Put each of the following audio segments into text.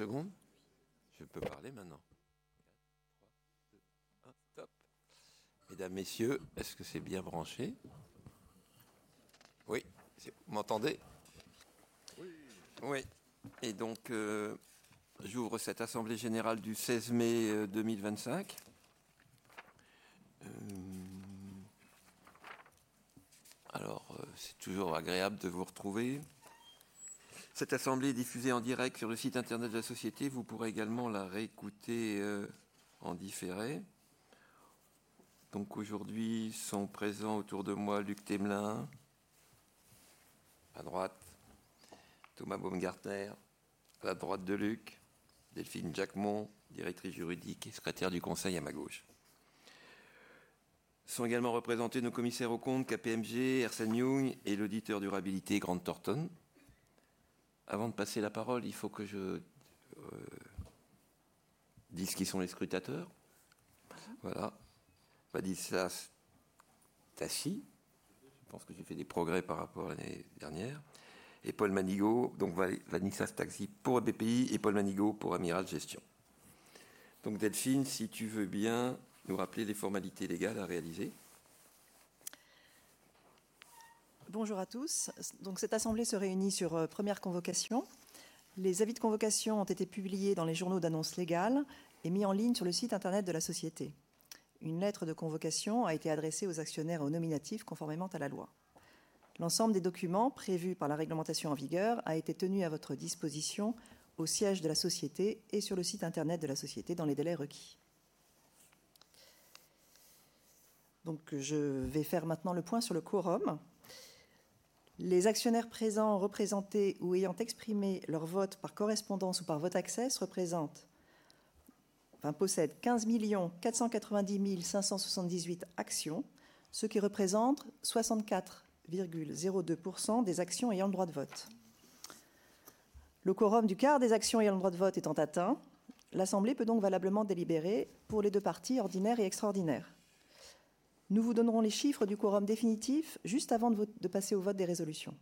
Une seconde, je peux parler maintenant. Oui. Top. Mesdames, Messieurs, est-ce que c'est bien branché? Oui? Vous m'entendez? Oui. Oui. Et donc, j'ouvre cette assemblée générale du 16 mai 2025. Alors, c'est toujours agréable de vous retrouver. Cette assemblée est diffusée en direct sur le site internet de la société. Vous pourrez également la réécouter en différé. Donc, aujourd'hui, sont présents autour de moi: Luc Themelin, à droite, Thomas Baumgartner, à la droite de Luc, Delphine Jacquemont, Directrice Juridique et Secrétaire du Conseil, à ma gauche. Sont également représentés nos commissaires aux comptes KPMG, Ersen Jung, et l'auditeur durabilité Grant Thornton. Avant de passer la parole, il faut que je dise qui sont les scrutateurs. Voilà. Vanessa Tassi, je pense que j'ai fait des progrès par rapport à l'année dernière, et Paul Manigaud, donc Vanessa Tassi pour EBPI, et Paul Manigaud pour Amiral Gestion. Donc, Delphine, si tu veux bien nous rappeler les formalités légales à réaliser. Bonjour à tous. Cette assemblée se réunit sur première convocation. Les avis de convocation ont été publiés dans les journaux d'annonce légale et mis en ligne sur le site internet de la société. Une lettre de convocation a été adressée aux actionnaires nominatifs conformément à la loi. L'ensemble des documents prévus par la réglementation en vigueur a été tenu à votre disposition au siège de la société et sur le site internet de la société dans les délais requis. Je vais maintenant faire le point sur le quorum. Les actionnaires présents, représentés ou ayant exprimé leur vote par correspondance ou par vote électronique, possèdent 15 490 578 actions, ce qui représente 64,02% des actions ayant le droit de vote. Le quorum du quart des actions ayant le droit de vote étant atteint, l'assemblée peut valablement délibérer pour les deux parties ordinaires et extraordinaires. Nous vous donnerons les chiffres du quorum définitif juste avant de passer au vote des résolutions.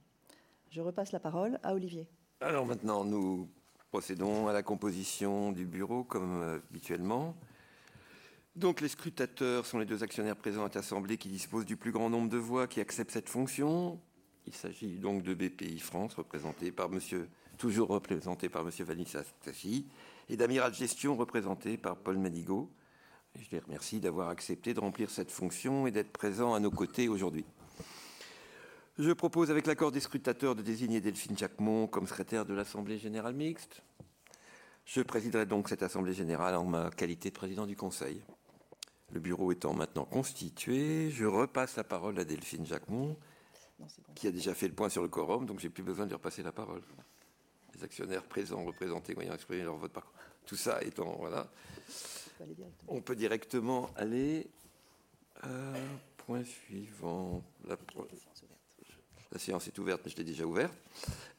Je repasse la parole à Olivier. Alors, maintenant, nous procédons à la composition du bureau comme habituellement. Donc, les scrutateurs sont les deux actionnaires présents à l'assemblée qui disposent du plus grand nombre de voix, qui acceptent cette fonction. Il s'agit donc d'EBPI France, représentée par Monsieur, toujours représentée par Monsieur Vanessa Tassi, et d'Amiral Gestion, représenté par Paul Manigaud. Je les remercie d'avoir accepté de remplir cette fonction et d'être présents à nos côtés aujourd'hui. Je propose, avec l'accord des scrutateurs, de désigner Delphine Jacquemont comme secrétaire de l'assemblée générale mixte. Je présiderai donc cette assemblée générale en ma qualité de Président du conseil. Le bureau étant maintenant constitué, je repasse la parole à Delphine Jacquemont, qui a déjà fait le point sur le quorum, donc je n'ai plus besoin de lui repasser la parole. Les actionnaires présents, représentés, ayant exprimé leur vote par... Tout ça étant, voilà. On peut aller directement. On peut directement aller. Point suivant. La séance est ouverte. La séance est ouverte, mais je l'ai déjà ouverte.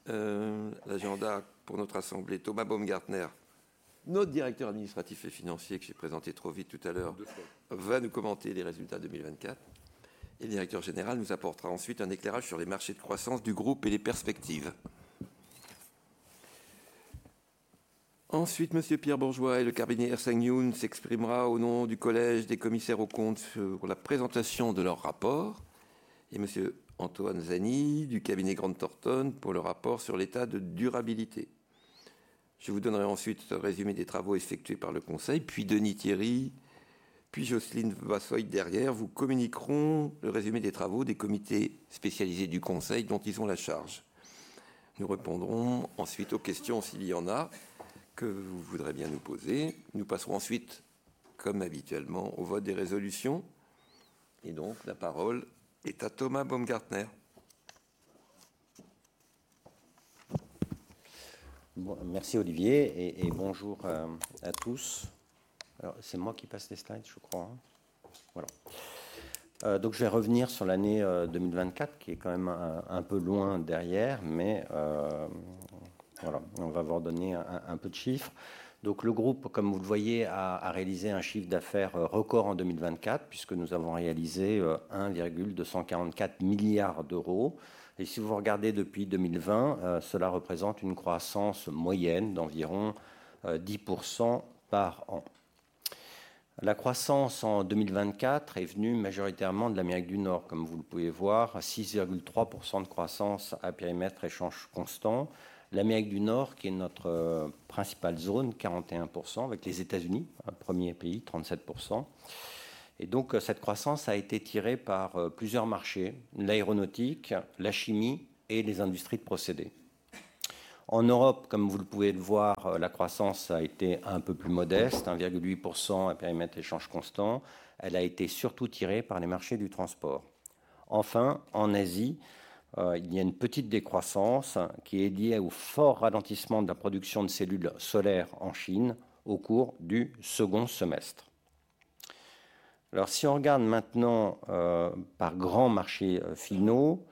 L'agenda pour notre assemblée: Thomas Baumgartner, notre directeur administratif et financier, que j'ai présenté trop vite tout à l'heure, va nous commenter les résultats 2024. Le directeur général nous apportera ensuite un éclairage sur les marchés de croissance du groupe et les perspectives. Ensuite, Monsieur Pierre Bourgeois et le cabinet Ersen Jung s'exprimeront au nom du collège des commissaires aux comptes pour la présentation de leur rapport, et Monsieur Antoine Zani, du cabinet Grant Thornton, pour le rapport sur l'état de durabilité. Je vous donnerai ensuite un résumé des travaux effectués par le conseil, puis Denis Thierry, puis Jocelyne Vassoy, derrière, vous communiqueront le résumé des travaux des comités spécialisés du conseil dont ils ont la charge. Nous répondrons ensuite aux questions, s'il y en a, que vous voudrez bien nous poser. Nous passerons ensuite, comme habituellement, au vote des résolutions. Et donc, la parole est à Thomas Baumgartner. Merci, Olivier, et bonjour à tous. C'est moi qui passe les slides, je crois. Voilà. Je vais revenir sur l'année 2024, qui est quand même un peu loin derrière, mais voilà, on va vous redonner un peu de chiffres. Le groupe, comme vous le voyez, a réalisé un chiffre d'affaires record en 2024, puisque nous avons réalisé 1,244 milliard d'euros. Si vous regardez depuis 2020, cela représente une croissance moyenne d'environ 10% par an. La croissance en 2024 est venue majoritairement de l'Amérique du Nord, comme vous le pouvez voir, 6,3% de croissance à périmètre échange constant. L'Amérique du Nord, qui est notre principale zone, 41%, avec les États-Unis, premier pays, 37%. Cette croissance a été tirée par plusieurs marchés: l'aéronautique, la chimie et les industries de procédés. En Europe, comme vous le pouvez le voir, la croissance a été un peu plus modeste, 1,8% à périmètre échange constant. Elle a été surtout tirée par les marchés du transport. Enfin, en Asie, il y a une petite décroissance qui est liée au fort ralentissement de la production de cellules solaires en Chine au cours du second semestre. Si on regarde maintenant par grands marchés finaux,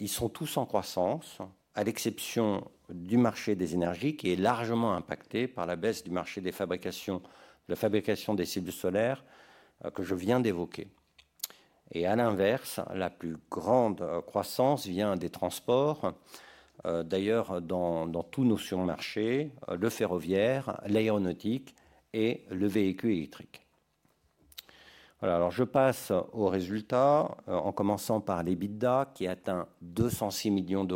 ils sont tous en croissance, à l'exception du marché des énergies, qui est largement impacté par la baisse du marché des fabrications, de la fabrication des cellules solaires que je viens d'évoquer. À l'inverse, la plus grande croissance vient des transports. D'ailleurs, dans tous nos supermarchés, le ferroviaire, l'aéronautique et le véhicule électrique. Je passe aux résultats, en commençant par l'EBITDA, qui a atteint €206 millions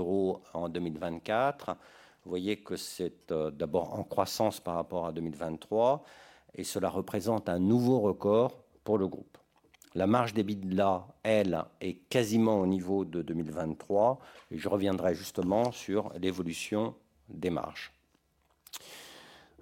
en 2024. Vous voyez que c'est d'abord en croissance par rapport à 2023, et cela représente un nouveau record pour le groupe. La marge d'EBITDA, elle, est quasiment au niveau de 2023, et je reviendrai justement sur l'évolution des marges.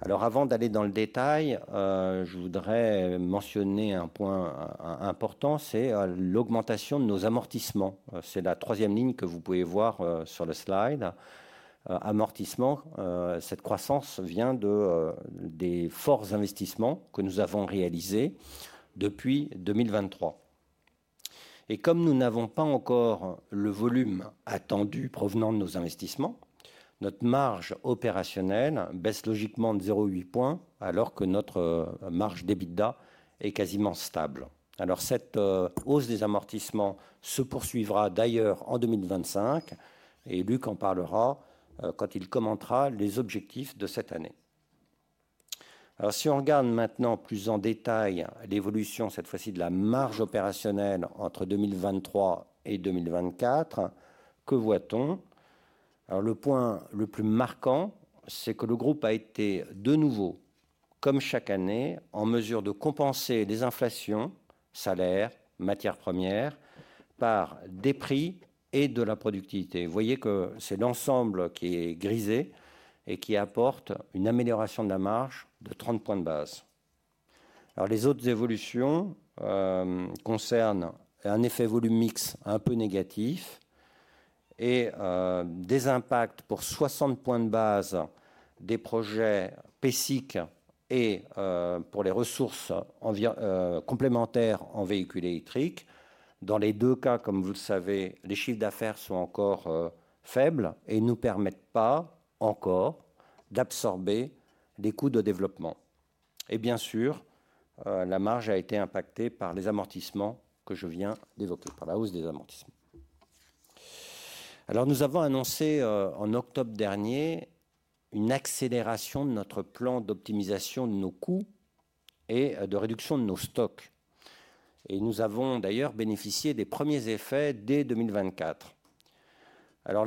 Avant d'aller dans le détail, je voudrais mentionner un point important, c'est l'augmentation de nos amortissements. C'est la troisième ligne que vous pouvez voir sur le slide. Amortissement, cette croissance vient des forts investissements que nous avons réalisés depuis 2023. Comme nous n'avons pas encore le volume attendu provenant de nos investissements, notre marge opérationnelle baisse logiquement de 0,8 point, alors que notre marge d'EBITDA est quasiment stable. Cette hausse des amortissements se poursuivra d'ailleurs en 2025, et Luc en parlera quand il commentera les objectifs de cette année. Alors, si on regarde maintenant plus en détail l'évolution, cette fois-ci, de la marge opérationnelle entre 2023 et 2024, que voit-on? Le point le plus marquant, c'est que le groupe a été de nouveau, comme chaque année, en mesure de compenser les inflations, salaires, matières premières, par des prix et de la productivité. Vous voyez que c'est l'ensemble qui est grisé et qui apporte une amélioration de la marge de 30 points de base. Les autres évolutions concernent un effet volume mixte un peu négatif et des impacts pour 60 points de base des projets PECIC et pour les ressources complémentaires en véhicules électriques. Dans les deux cas, comme vous le savez, les chiffres d'affaires sont encore faibles et ne nous permettent pas encore d'absorber les coûts de développement. Et bien sûr, la marge a été impactée par les amortissements que je viens d'évoquer, par la hausse des amortissements. Nous avons annoncé en octobre dernier une accélération de notre plan d'optimisation de nos coûts et de réduction de nos stocks. Nous avons d'ailleurs bénéficié des premiers effets dès 2024.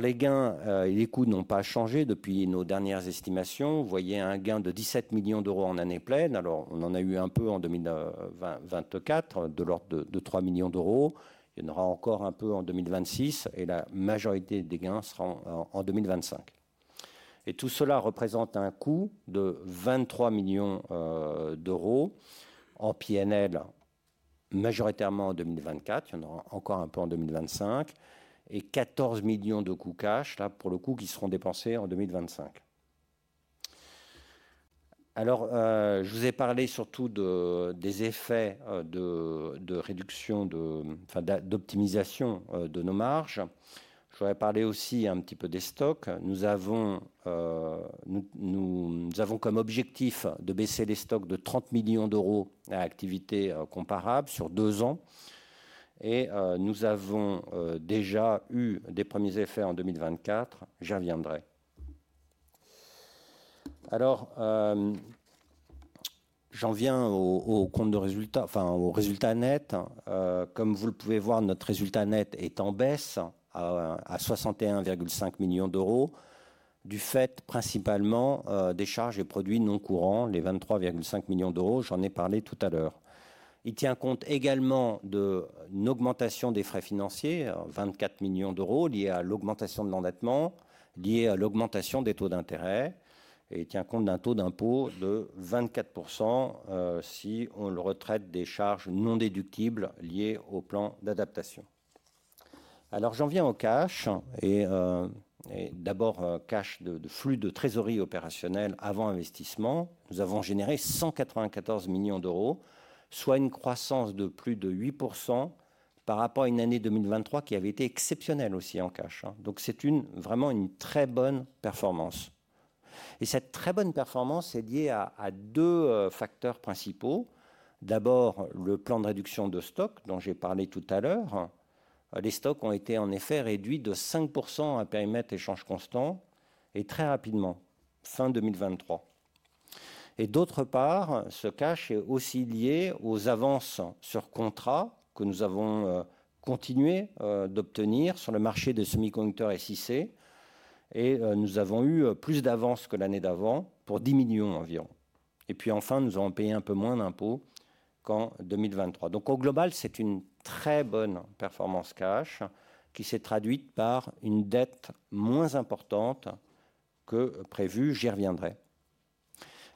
Les gains et les coûts n'ont pas changé depuis nos dernières estimations. Vous voyez un gain de €17 millions en année pleine. On en a eu un peu en 2024, de l'ordre de €3 millions. Il y en aura encore un peu en 2026, et la majorité des gains seront en 2025. Tout cela représente un coût de €23 millions en PNL, majoritairement en 2024. Il y en aura encore un peu en 2025, et €14 millions de coûts cash, là, pour le coup, qui seront dépensés en 2025. Alors, je vous ai parlé surtout des effets de réduction, enfin d'optimisation de nos marges. Je vous aurais parlé aussi un petit peu des stocks. Nous avons comme objectif de baisser les stocks de 30 millions d'euros à activité comparable sur deux ans, et nous avons déjà eu des premiers effets en 2024. J'y reviendrai. Alors, j'en viens au compte de résultat, enfin au résultat net. Comme vous le pouvez voir, notre résultat net est en baisse à 61,5 millions d'euros, du fait principalement des charges et produits non courants, les 23,5 millions d'euros. J'en ai parlé tout à l'heure. Il tient compte également d'une augmentation des frais financiers, 24 millions d'euros, liés à l'augmentation de l'endettement, liés à l'augmentation des taux d'intérêt, et il tient compte d'un taux d'impôt de 24% si on le retraite des charges non déductibles liées au plan d'adaptation. Alors, j'en viens au cash, et d'abord cash de flux de trésorerie opérationnelle avant investissement. Nous avons généré €194 millions, soit une croissance de plus de 8% par rapport à une année 2023 qui avait été exceptionnelle aussi en cash. Donc, c'est vraiment une très bonne performance. Cette très bonne performance est liée à deux facteurs principaux. D'abord, le plan de réduction de stocks dont j'ai parlé tout à l'heure. Les stocks ont été en effet réduits de 5% à périmètre échange constant et très rapidement, fin 2023. D'autre part, ce cash est aussi lié aux avances sur contrats que nous avons continué d'obtenir sur le marché des semi-conducteurs SIC, et nous avons eu plus d'avances que l'année d'avant pour €10 millions environ. Enfin, nous avons payé un peu moins d'impôts qu'en 2023. Donc, au global, c'est une très bonne performance cash qui s'est traduite par une dette moins importante que prévue. J'y reviendrai.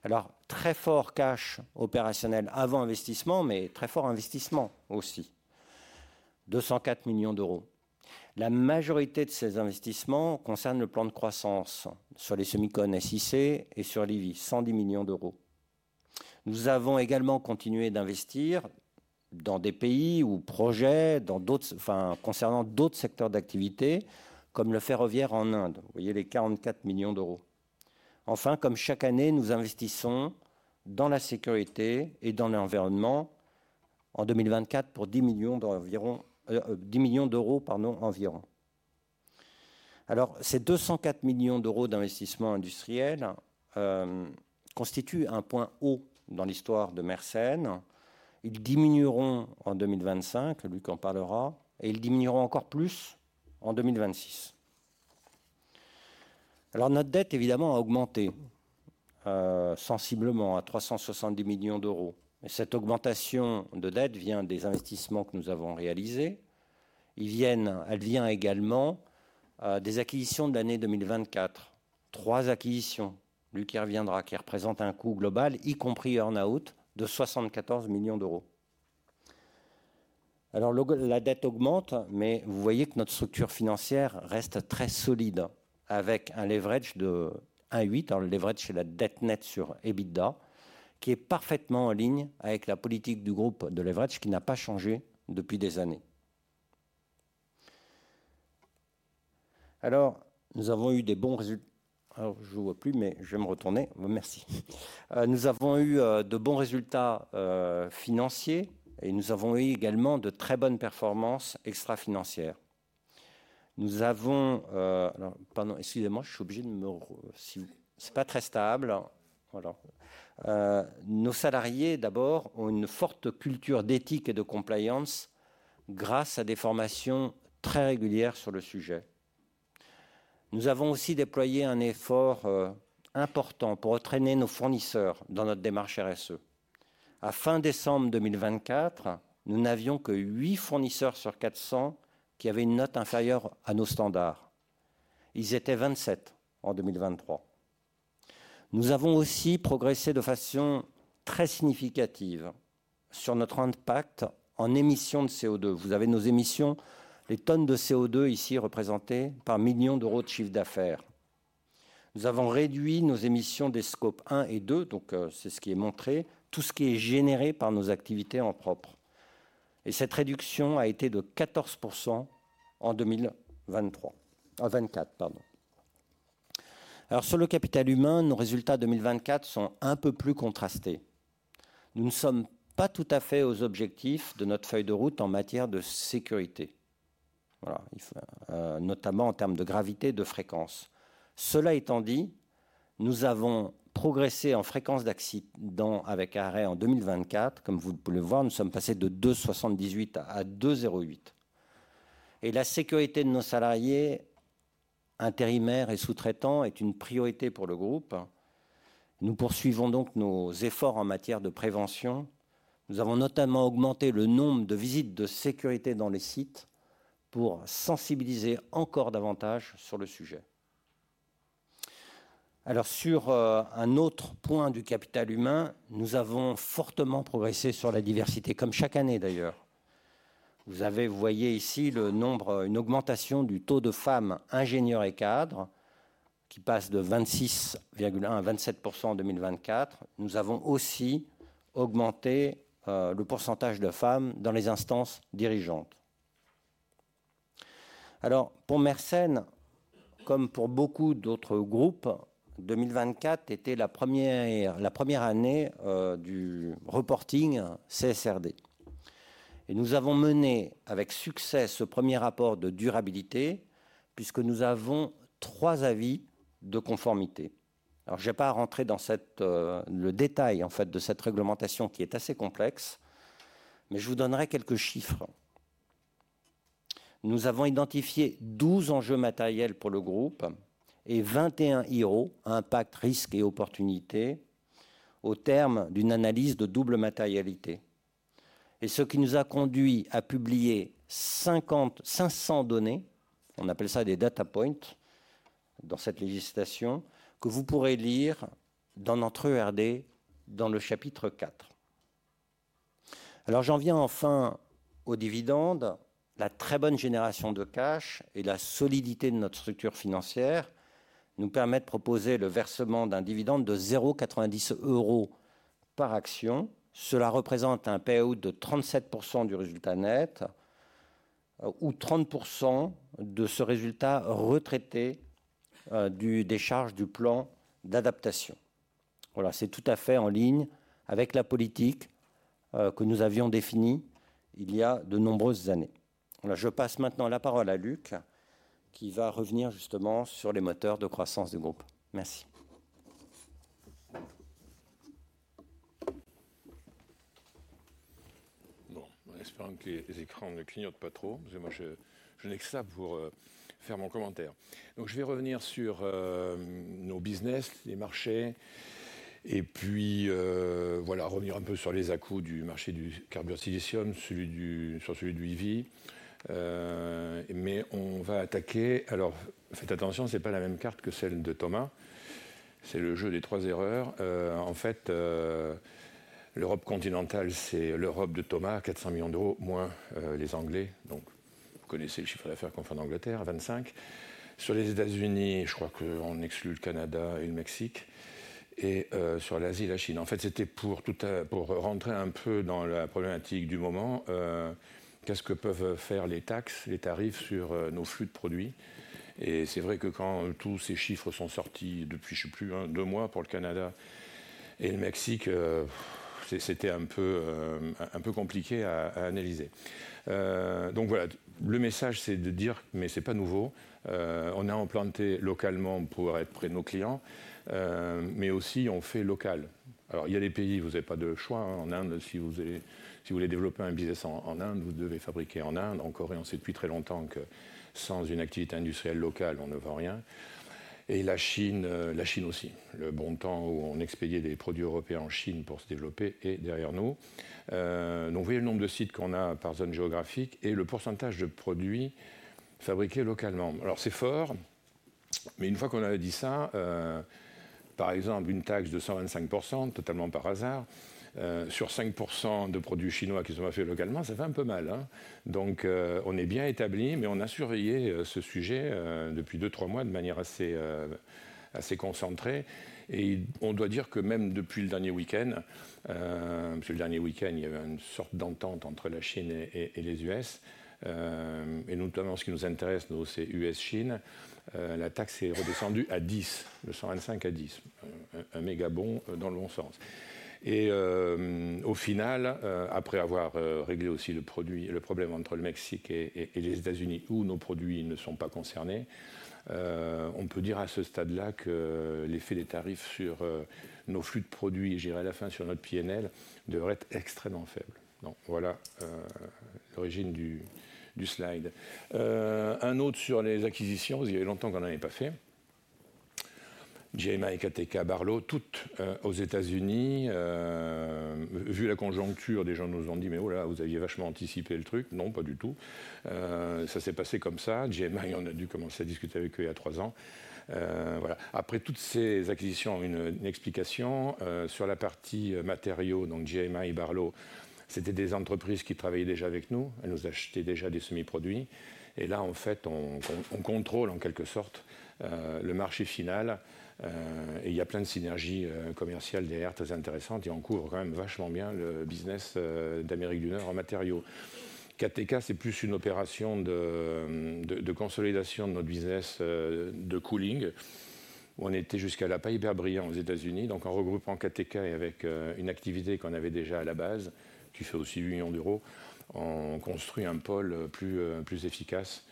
Alors, très fort cash opérationnel avant investissement, mais très fort investissement aussi, 204 millions d'euros. La majorité de ces investissements concernent le plan de croissance sur les semi-conducteurs SiC et sur l'IVI, 110 millions d'euros. Nous avons également continué d'investir dans des pays ou projets, enfin concernant d'autres secteurs d'activité, comme le ferroviaire en Inde. Vous voyez les 44 millions d'euros. Enfin, comme chaque année, nous investissons dans la sécurité et dans l'environnement en 2024 pour 10 millions d'euros environ. Alors, ces 204 millions d'euros d'investissements industriels constituent un point haut dans l'histoire de Mersen. Ils diminueront en 2025, Luc en parlera, et ils diminueront encore plus en 2026. Alors, notre dette, évidemment, a augmenté sensiblement à 370 millions d'euros. Et cette augmentation de dette vient des investissements que nous avons réalisés. Elle vient également des acquisitions de l'année 2024. Trois acquisitions, Luc y reviendra, qui représentent un coût global, y compris earn-out, de €74 millions. Alors, la dette augmente, mais vous voyez que notre structure financière reste très solide, avec un leverage de 1,8, le leverage sur la dette nette sur EBITDA, qui est parfaitement en ligne avec la politique du groupe de leverage, qui n'a pas changé depuis des années. Nous avons eu des bons résultats. Nous avons eu de bons résultats financiers, et nous avons eu également de très bonnes performances extra-financières. Nos salariés, d'abord, ont une forte culture d'éthique et de compliance grâce à des formations très régulières sur le sujet. Nous avons aussi déployé un effort important pour entraîner nos fournisseurs dans notre démarche RSE. À fin décembre 2024, nous n'avions que 8 fournisseurs sur 400 qui avaient une note inférieure à nos standards. Ils étaient 27 en 2023. Nous avons aussi progressé de façon très significative sur notre impact en émissions de CO2. Vous avez nos émissions, les tonnes de CO2 ici représentées par millions d'euros de chiffre d'affaires. Nous avons réduit nos émissions des scopes 1 et 2, donc c'est ce qui est montré, tout ce qui est généré par nos activités en propre. Cette réduction a été de 14% en 2024. Sur le capital humain, nos résultats 2024 sont un peu plus contrastés. Nous ne sommes pas tout à fait aux objectifs de notre feuille de route en matière de sécurité, notamment en termes de gravité et de fréquence. Cela étant dit, nous avons progressé en fréquence d'accidents avec arrêt en 2024. Comme vous pouvez le voir, nous sommes passés de 2,78 à 2,08. La sécurité de nos salariés intérimaires et sous-traitants est une priorité pour le groupe. Nous poursuivons donc nos efforts en matière de prévention. Nous avons notamment augmenté le nombre de visites de sécurité dans les sites pour sensibiliser encore davantage sur le sujet. Sur un autre point du capital humain, nous avons fortement progressé sur la diversité, comme chaque année d'ailleurs. Vous voyez ici une augmentation du taux de femmes ingénieures et cadres qui passe de 26,1% à 27% en 2024. Nous avons aussi augmenté le pourcentage de femmes dans les instances dirigeantes. Alors, pour Mersen, comme pour beaucoup d'autres groupes, 2024 était la première année du reporting CSRD. Nous avons mené avec succès ce premier rapport de durabilité, puisque nous avons trois avis de conformité. Alors, je ne vais pas rentrer dans le détail, en fait, de cette réglementation qui est assez complexe, mais je vous donnerai quelques chiffres. Nous avons identifié 12 enjeux matériels pour le groupe et 21 IRO, impact, risque et opportunité, au terme d'une analyse de double matérialité. Ce qui nous a conduit à publier 500 données, on appelle ça des data points dans cette législation, que vous pourrez lire dans notre ERD dans le chapitre 4. Alors, j'en viens enfin aux dividendes. La très bonne génération de cash et la solidité de notre structure financière nous permettent de proposer le versement d'un dividende de €0,90 par action. Cela représente un payout de 37% du résultat net ou 30% de ce résultat retraité des charges du plan d'adaptation. C'est tout à fait en ligne avec la politique que nous avions définie il y a de nombreuses années. Je passe maintenant la parole à Luc, qui va revenir justement sur les moteurs de croissance du groupe. Merci. En espérant que les écrans ne clignotent pas trop, parce que moi, je n'ai que ça pour faire mon commentaire. Je vais revenir sur nos business, les marchés, et puis revenir un peu sur les à-coups du marché du carburant silicium, sur celui du IVI. On va attaquer. Alors, faites attention, ce n'est pas la même carte que celle de Thomas, c'est le jeu des trois erreurs. En fait, l'Europe continentale, c'est l'Europe de Thomas, 400 millions d'euros moins les Anglais. Donc, vous connaissez le chiffre d'affaires qu'on fait en Angleterre, €25 millions. Sur les États-Unis, je crois qu'on exclut le Canada et le Mexique. Et sur l'Asie, la Chine. En fait, c'était pour rentrer un peu dans la problématique du moment. Qu'est-ce que peuvent faire les taxes, les tarifs sur nos flux de produits? Et c'est vrai que quand tous ces chiffres sont sortis depuis, je ne sais plus, deux mois pour le Canada et le Mexique, c'était un peu compliqué à analyser. Donc voilà, le message, c'est de dire, mais ce n'est pas nouveau, on a implanté localement pour être près de nos clients, mais aussi on fait local. Alors, il y a des pays, vous n'avez pas de choix. En Inde, si vous voulez développer un business en Inde, vous devez fabriquer en Inde. En Corée, on sait depuis très longtemps que sans une activité industrielle locale, on ne vend rien. Et la Chine aussi. Le bon temps où on expédiait des produits européens en Chine pour se développer est derrière nous. Donc, vous voyez le nombre de sites qu'on a par zone géographique et le pourcentage de produits fabriqués localement. Alors, c'est fort, mais une fois qu'on a dit ça, par exemple, une taxe de 125%, totalement par hasard, sur 5% de produits chinois qui ne sont pas faits localement, ça fait un peu mal. Donc, on est bien établi, mais on a surveillé ce sujet depuis deux, trois mois de manière assez concentrée. Et on doit dire que même depuis le dernier week-end, parce que le dernier week-end, il y avait une sorte d'entente entre la Chine et les US. Et notamment, ce qui nous intéresse, nous, c'est US-Chine. La taxe est redescendue à 10%, de 25% à 10%. Un méga bond dans le bon sens. Et au final, après avoir réglé aussi le problème entre le Mexique et les États-Unis, où nos produits ne sont pas concernés, on peut dire à ce stade-là que l'effet des tarifs sur nos flux de produits, je dirais à la fin sur notre PNL, devrait être extrêmement faible. Donc voilà l'origine du slide. Un autre sur les acquisitions, il y a longtemps qu'on n'en avait pas fait. GMI, KTK, Barlow, toutes aux États-Unis. Vu la conjoncture, des gens nous ont dit: « Mais voilà, vous aviez vachement anticipé le truc. » Non, pas du tout. Ça s'est passé comme ça. GMI, on a dû commencer à discuter avec eux il y a trois ans. Après, toutes ces acquisitions ont une explication. Sur la partie matériaux, donc GMI, Barlow, c'étaient des entreprises qui travaillaient déjà avec nous. Elles nous achetaient déjà des semi-produits. Et là, en fait, on contrôle en quelque sorte le marché final. Et il y a plein de synergies commerciales derrière, très intéressantes. Et on couvre quand même vachement bien le business d'Amérique du Nord en matériaux. KTK, c'est plus une opération de consolidation de notre business de cooling. On était jusqu'à la pipe à brillant aux États-Unis. Donc, en regroupant KTK et avec une activité qu'on avait déjà à la base, qui fait aussi un million d'euros, on construit un pôle plus efficace.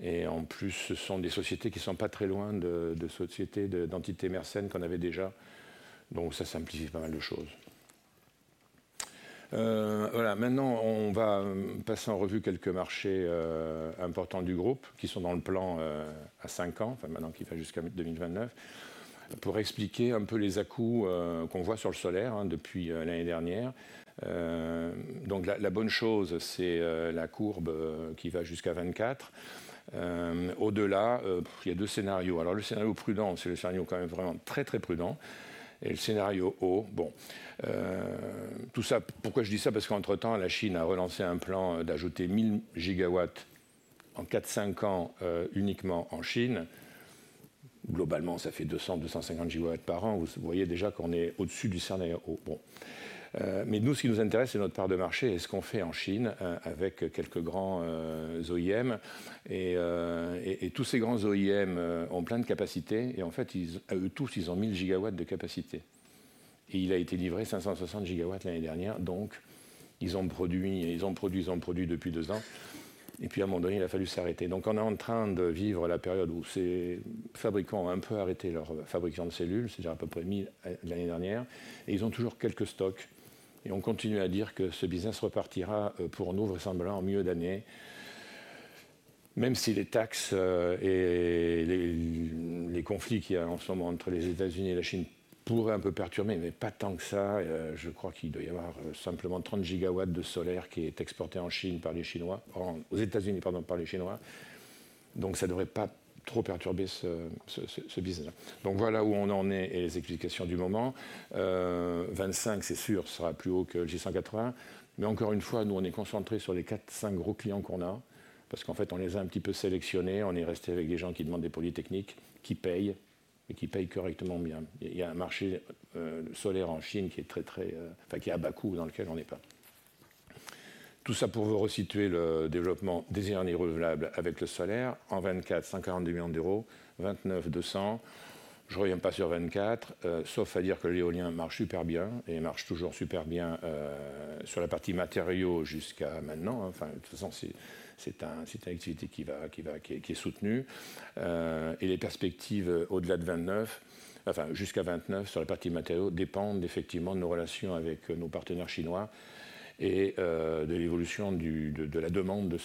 Et en plus, ce sont des sociétés qui ne sont pas très loin de sociétés d'entités Mersen qu'on avait déjà. Donc, ça simplifie pas mal de choses. Voilà, maintenant, on va passer en revue quelques marchés importants du groupe qui sont dans le plan à 5 ans, enfin maintenant qui va jusqu'à 2029, pour expliquer un peu les à-coups qu'on voit sur le solaire depuis l'année dernière. Donc, la bonne chose, c'est la courbe qui va jusqu'à 24. Au-delà, il y a deux scénarios. Alors, le scénario prudent, c'est le scénario quand même vraiment très, très prudent. Et le scénario haut, bon. Tout ça, pourquoi je dis ça? Parce qu'entre-temps, la Chine a relancé un plan d'ajouter 1 000 gigawatts en 4-5 ans uniquement en Chine. Globalement, ça fait 200-250 gigawatts par an. Vous voyez déjà qu'on est au-dessus du scénario haut. Mais nous, ce qui nous intéresse, c'est notre part de marché et ce qu'on fait en Chine avec quelques grands OEM. Tous ces grands OEM ont plein de capacités. En fait, tous, ils ont 1 000 gigawatts de capacité. Il a été livré 560 gigawatts l'année dernière. Donc, ils ont produit depuis deux ans. Puis, à un moment donné, il a fallu s'arrêter. Donc, on est en train de vivre la période où ces fabricants ont un peu arrêté leurs fabrications de cellules, c'est-à-dire à peu près 1 000 l'année dernière. Ils ont toujours quelques stocks. On continue à dire que ce business repartira pour nous vraisemblablement en milieu d'année. Même si les taxes et les conflits qu'il y a en ce moment entre les États-Unis et la Chine pourraient un peu perturber, mais pas tant que ça, je crois qu'il doit y avoir simplement 30 gigawatts de solaire qui est exporté en Chine par les Chinois, aux États-Unis, pardon, par les Chinois. Donc, ça ne devrait pas trop perturber ce business. Donc, voilà où on en est et les explications du moment. 25, c'est sûr, ce sera plus haut que le J180. Mais encore une fois, nous, on est concentré sur les 4-5 gros clients qu'on a. Parce qu'en fait, on les a un petit peu sélectionnés. On est resté avec des gens qui demandent des polytechniques, qui payent et qui payent correctement bien. Il y a un marché solaire en Chine qui est très, très, enfin, qui est à bas coût dans lequel on n'est pas. Tout ça pour vous resituer le développement des énergies renouvelables avec le solaire. En 2024, 142 millions d'euros, 2029. Je ne reviens pas sur 2024, sauf à dire que l'éolien marche super bien et marche toujours super bien sur la partie matériaux jusqu'à maintenant. De toute façon, c'est une activité qui va, qui est soutenue. Les perspectives au-delà de 2029 sur la partie matériaux dépendent effectivement de nos relations avec nos partenaires chinois et de l'évolution de la demande de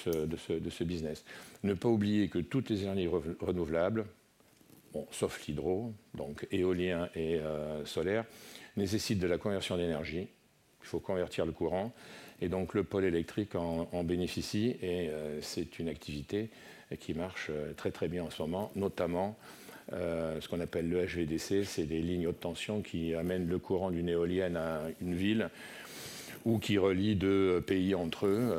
ce business. Ne pas oublier que toutes les énergies renouvelables, sauf l'hydro, donc éolien et solaire, nécessitent de la conversion d'énergie. Il faut convertir le courant. Le pôle électrique en bénéficie. C'est une activité qui marche très, très bien en ce moment. Notamment ce qu'on appelle le HVDC, c'est des lignes haute tension qui amènent le courant d'une éolienne à une ville ou qui relient deux pays entre eux.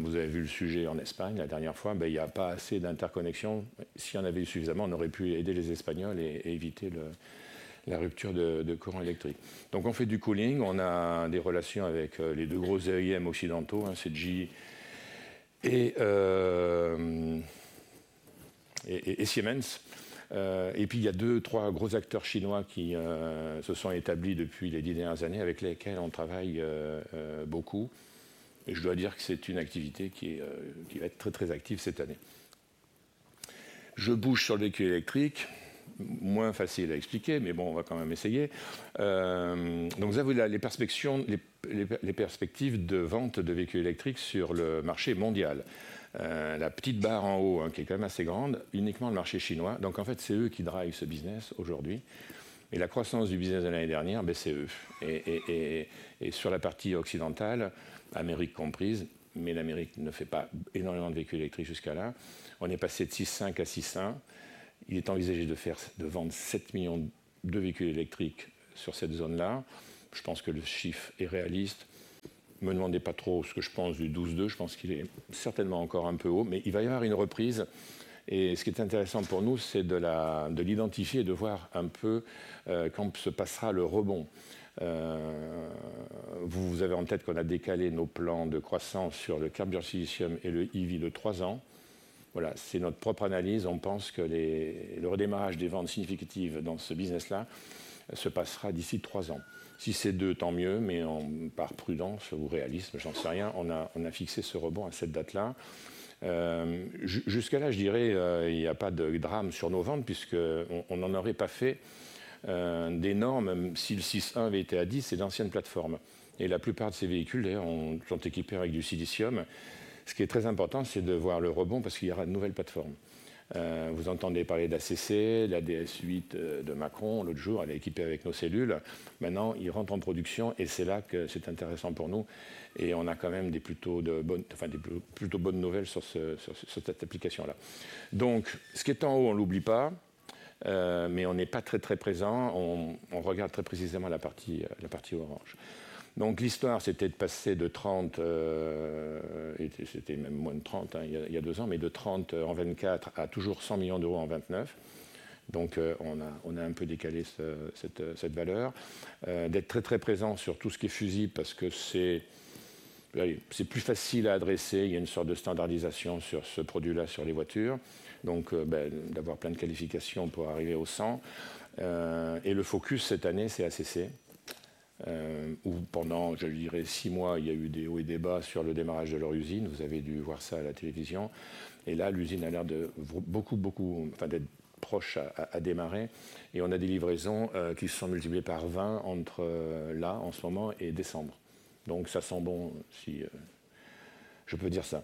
Vous avez vu le sujet en Espagne la dernière fois. Il n'y a pas assez d'interconnexions. S'il y en avait eu suffisamment, on aurait pu aider les Espagnols et éviter la rupture de courant électrique. Donc, on fait du cooling. On a des relations avec les deux gros OEM occidentaux, ABB et Siemens. Et puis, il y a deux, trois gros acteurs chinois qui se sont établis depuis les dix dernières années avec lesquels on travaille beaucoup. Et je dois dire que c'est une activité qui va être très, très active cette année. Je bouge sur le véhicule électrique. Moins facile à expliquer, mais bon, on va quand même essayer. Donc, vous avez les perspectives de vente de véhicules électriques sur le marché mondial. La petite barre en haut, qui est quand même assez grande, uniquement le marché chinois. Donc, en fait, c'est eux qui drivent ce business aujourd'hui. Et la croissance du business de l'année dernière, c'est eux. Et sur la partie occidentale, Amérique comprise, mais l'Amérique ne fait pas énormément de véhicules électriques jusqu'à là. On est passé de 6,5 à 6,1. Il est envisagé de vendre 7 millions de véhicules électriques sur cette zone-là. Je pense que le chiffre est réaliste. Ne me demandez pas trop ce que je pense du 12,2. Je pense qu'il est certainement encore un peu haut. Mais il va y avoir une reprise. Et ce qui est intéressant pour nous, c'est de l'identifier et de voir un peu quand se passera le rebond. Vous avez en tête qu'on a décalé nos plans de croissance sur le carburant silicium et le EV de trois ans. Voilà, c'est notre propre analyse. On pense que le redémarrage des ventes significatives dans ce business-là se passera d'ici trois ans. Si c'est deux, tant mieux, mais on part prudent sur le réalisme, j'en sais rien. On a fixé ce rebond à cette date-là. Jusqu'à là, je dirais, il n'y a pas de drame sur nos ventes, puisqu'on n'en aurait pas fait d'énorme, même si le 6,1 avait été à 10, c'est l'ancienne plateforme. Et la plupart de ces véhicules, d'ailleurs, sont équipés avec du silicium. Ce qui est très important, c'est de voir le rebond, parce qu'il y aura de nouvelles plateformes. Vous entendez parler de la CC, de la DS8 de Macron, l'autre jour, elle est équipée avec nos cellules. Maintenant, ils rentrent en production, et c'est là que c'est intéressant pour nous. On a quand même de plutôt bonnes nouvelles sur cette application-là. Ce qui est en haut, on ne l'oublie pas, mais on n'est pas très, très présent. On regarde très précisément la partie orange. L'histoire, c'était de passer de €30 millions, c'était même moins de €30 millions il y a deux ans, mais de €30 millions en 2024 à toujours €100 millions en 2029. On a un peu décalé cette valeur. D'être très, très présent sur tout ce qui est fusible, parce que c'est plus facile à adresser. Il y a une sorte de standardisation sur ce produit-là, sur les voitures. D'avoir plein de qualifications pour arriver au €100 millions. Le focus cette année, c'est la CC. Où, pendant, je dirais, six mois, il y a eu des hauts et des bas sur le démarrage de leur usine. Vous avez dû voir ça à la télévision. Et là, l'usine a l'air de beaucoup, beaucoup, enfin, d'être proche à démarrer. Et on a des livraisons qui se sont multipliées par 20 entre là, en ce moment, et décembre. Donc, ça sent bon, si je peux dire ça.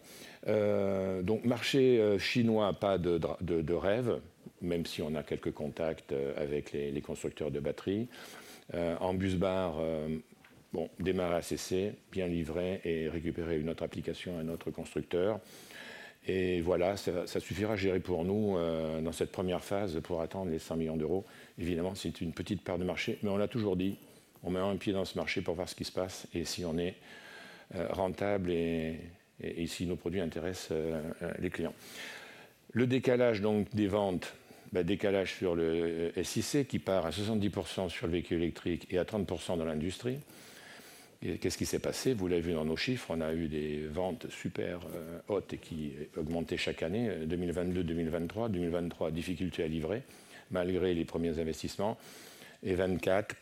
Donc, marché chinois, pas de rêve, même si on a quelques contacts avec les constructeurs de batteries. En bus bar, démarrer la CC, bien livrer et récupérer une autre application, un autre constructeur. Et voilà, ça suffira à gérer pour nous dans cette première phase pour attendre les €100 millions. Évidemment, c'est une petite part de marché, mais on l'a toujours dit. On met un pied dans ce marché pour voir ce qui se passe et si on est rentable et si nos produits intéressent les clients. Le décalage, donc, des ventes, décalage sur le SIC qui part à 70% sur le véhicule électrique et à 30% dans l'industrie. Qu'est-ce qui s'est passé? Vous l'avez vu dans nos chiffres, on a eu des ventes super hautes et qui augmentaient chaque année. 2022, 2023, 2023, difficulté à livrer, malgré les premiers investissements. Et 2024,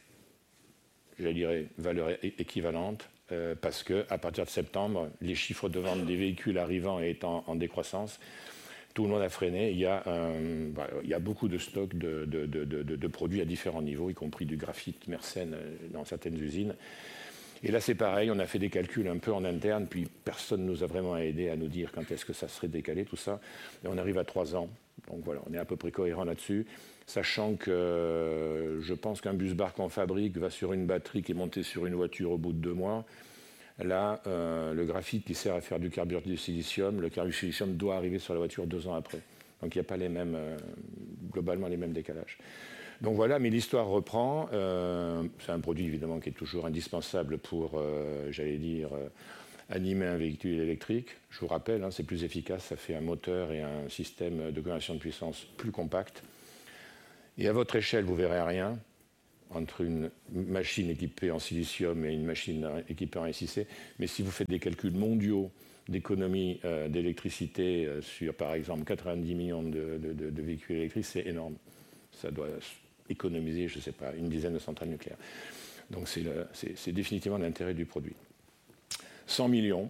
je dirais, valeur équivalente, parce qu'à partir de septembre, les chiffres de ventes des véhicules arrivants et étant en décroissance, tout le monde a freiné. Il y a beaucoup de stocks de produits à différents niveaux, y compris du graphite Mersen dans certaines usines. Et là, c'est pareil, on a fait des calculs un peu en interne, puis personne ne nous a vraiment aidés à nous dire quand est-ce que ça serait décalé, tout ça. On arrive à trois ans. Donc voilà, on est à peu près cohérent là-dessus. Sachant que je pense qu'un bus bar qu'on fabrique va sur une batterie qui est montée sur une voiture au bout de deux mois. Là, le graphite qui sert à faire du carbure de silicium, le carbure de silicium doit arriver sur la voiture deux ans après. Donc, il n'y a pas les mêmes, globalement, les mêmes décalages. Donc voilà, mais l'histoire reprend. C'est un produit, évidemment, qui est toujours indispensable pour, j'allais dire, animer un véhicule électrique. Je vous rappelle, c'est plus efficace, ça fait un moteur et un système de conversion de puissance plus compact. Et à votre échelle, vous ne verrez rien entre une machine équipée en silicium et une machine équipée en SiC. Mais si vous faites des calculs mondiaux d'économie d'électricité sur, par exemple, 90 millions de véhicules électriques, c'est énorme. Ça doit économiser, je ne sais pas, une dizaine de centrales nucléaires. Donc, c'est définitivement l'intérêt du produit. 100 millions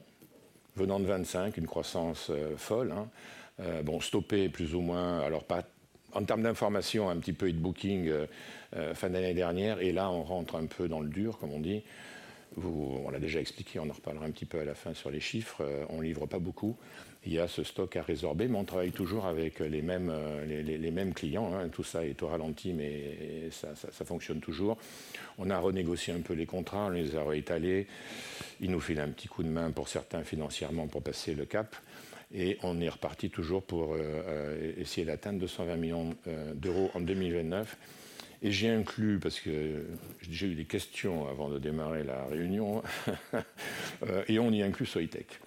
venant de 25, une croissance folle. Bon, stoppée plus ou moins, alors pas en termes d'information, un petit peu hit booking fin d'année dernière. Et là, on rentre un peu dans le dur, comme on dit. On l'a déjà expliqué, on en reparlera un petit peu à la fin sur les chiffres. On ne livre pas beaucoup. Il y a ce stock à résorber, mais on travaille toujours avec les mêmes clients. Tout ça est au ralenti, mais ça fonctionne toujours. On a renégocié un peu les contrats, on les a réétalés. Il nous file un petit coup de main pour certains financièrement pour passer le cap. On est reparti toujours pour essayer d'atteindre €220 millions en 2029. J'ai inclus, parce que j'ai eu des questions avant de démarrer la réunion, et on y inclut Soitec,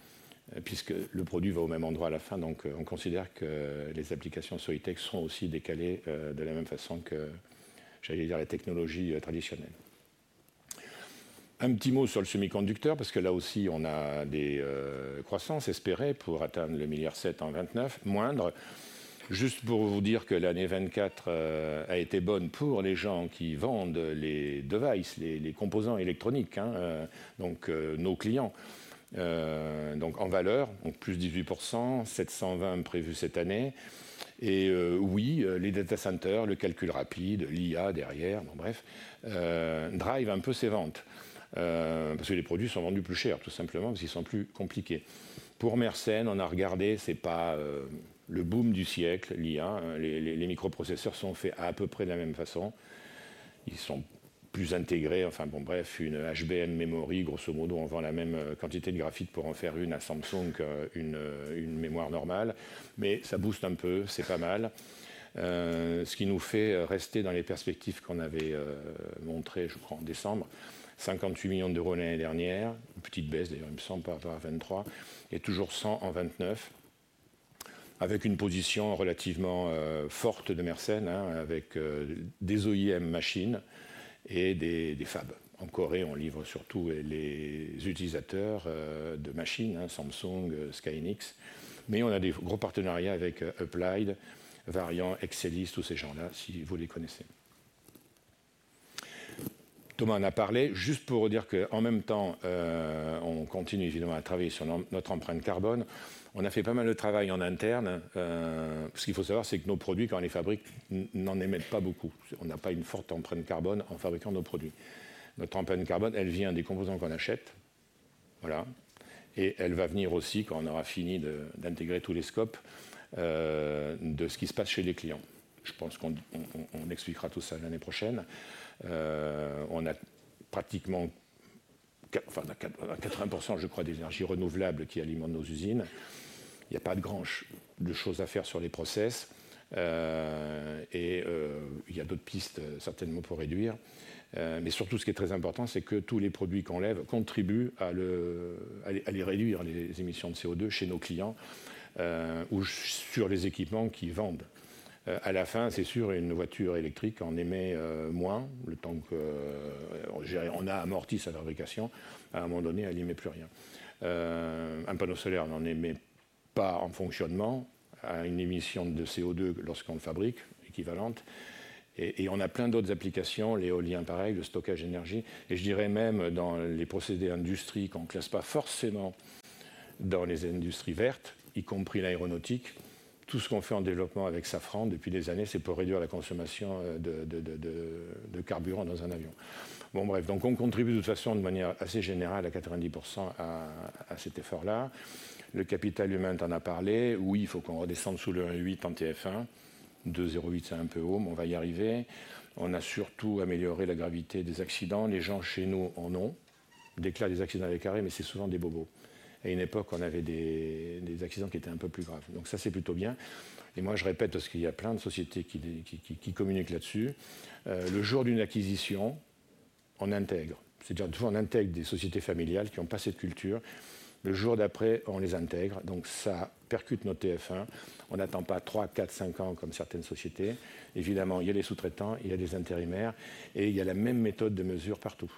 puisque le produit va au même endroit à la fin. Donc, on considère que les applications Soitec sont aussi décalées de la même façon que les technologies traditionnelles. Un petit mot sur le semi-conducteur, parce que là aussi, on a des croissances espérées pour atteindre le €1,7 milliard en 2029, moindres. Juste pour vous dire que l'année 2024 a été bonne pour les gens qui vendent les devices, les composants électroniques, donc nos clients. Donc, en valeur, plus 18%, €720 millions prévu cette année. Et oui, les data centers, le calcul rapide, l'IA derrière, bon bref, drive un peu ces ventes. Parce que les produits sont vendus plus chers, tout simplement, parce qu'ils sont plus compliqués. Pour Mersen, on a regardé, ce n'est pas le boom du siècle, l'IA. Les microprocesseurs sont faits à peu près de la même façon. Ils sont plus intégrés. Une HBM Memory, grosso modo, on vend la même quantité de graphite pour en faire une à Samsung, une mémoire normale. Mais ça booste un peu, ce n'est pas mal. Ce qui nous fait rester dans les perspectives qu'on avait montrées, je crois, en décembre. €58 millions l'année dernière. Une petite baisse, d'ailleurs, il me semble, pas à 23. Et toujours 100 en 29. Avec une position relativement forte de Mersen, avec des OEM machines et des fabs. En Corée, on livre surtout les utilisateurs de machines, Samsung, Skynix. Mais on a des gros partenariats avec Uplight, Variant, Excelis, tous ces gens-là, si vous les connaissez. Thomas en a parlé. Juste pour vous dire qu'en même temps, on continue évidemment à travailler sur notre empreinte carbone. On a fait pas mal de travail en interne. Ce qu'il faut savoir, c'est que nos produits, quand on les fabrique, n'en émettent pas beaucoup. On n'a pas une forte empreinte carbone en fabriquant nos produits. Notre empreinte carbone, elle vient des composants qu'on achète. Voilà. Elle va venir aussi quand on aura fini d'intégrer tous les scopes de ce qui se passe chez les clients. Je pense qu'on expliquera tout ça l'année prochaine. On a pratiquement 80%, je crois, d'énergies renouvelables qui alimentent nos usines. Il n'y a pas de grande chose à faire sur les process. Et il y a d'autres pistes, certainement, pour réduire. Mais surtout, ce qui est très important, c'est que tous les produits qu'on lève contribuent à les réduire, les émissions de CO2 chez nos clients, ou sur les équipements qu'ils vendent. À la fin, c'est sûr, une voiture électrique, on émet moins. Le temps qu'on a amorti sa fabrication, à un moment donné, elle n'émet plus rien. Un panneau solaire, on n'en émet pas en fonctionnement, a une émission de CO2 lorsqu'on le fabrique, équivalente. Et on a plein d'autres applications, l'éolien pareil, le stockage d'énergie. Et je dirais même dans les procédés industriels qu'on ne classe pas forcément dans les industries vertes, y compris l'aéronautique. Tout ce qu'on fait en développement avec Safran depuis des années, c'est pour réduire la consommation de carburant dans un avion. Bon bref, donc on contribue de toute façon, de manière assez générale, à 90% à cet effort-là. Le capital humain t'en a parlé. Oui, il faut qu'on redescende sous le 1,8 en TF1. 2,08, c'est un peu haut, mais on va y arriver. On a surtout amélioré la gravité des accidents. Les gens chez nous en ont. Déclarent des accidents avec arrêt, mais c'est souvent des bobos. À une époque, on avait des accidents qui étaient un peu plus graves. Donc ça, c'est plutôt bien. Et moi, je répète, parce qu'il y a plein de sociétés qui communiquent là-dessus. Le jour d'une acquisition, on intègre. C'est-à-dire, des fois, on intègre des sociétés familiales qui n'ont pas cette culture. Le jour d'après, on les intègre. Donc ça percute nos TF1. On n'attend pas 3, 4, 5 ans comme certaines sociétés. Évidemment, il y a des sous-traitants, il y a des intérimaires. Et il y a la même méthode de mesure partout.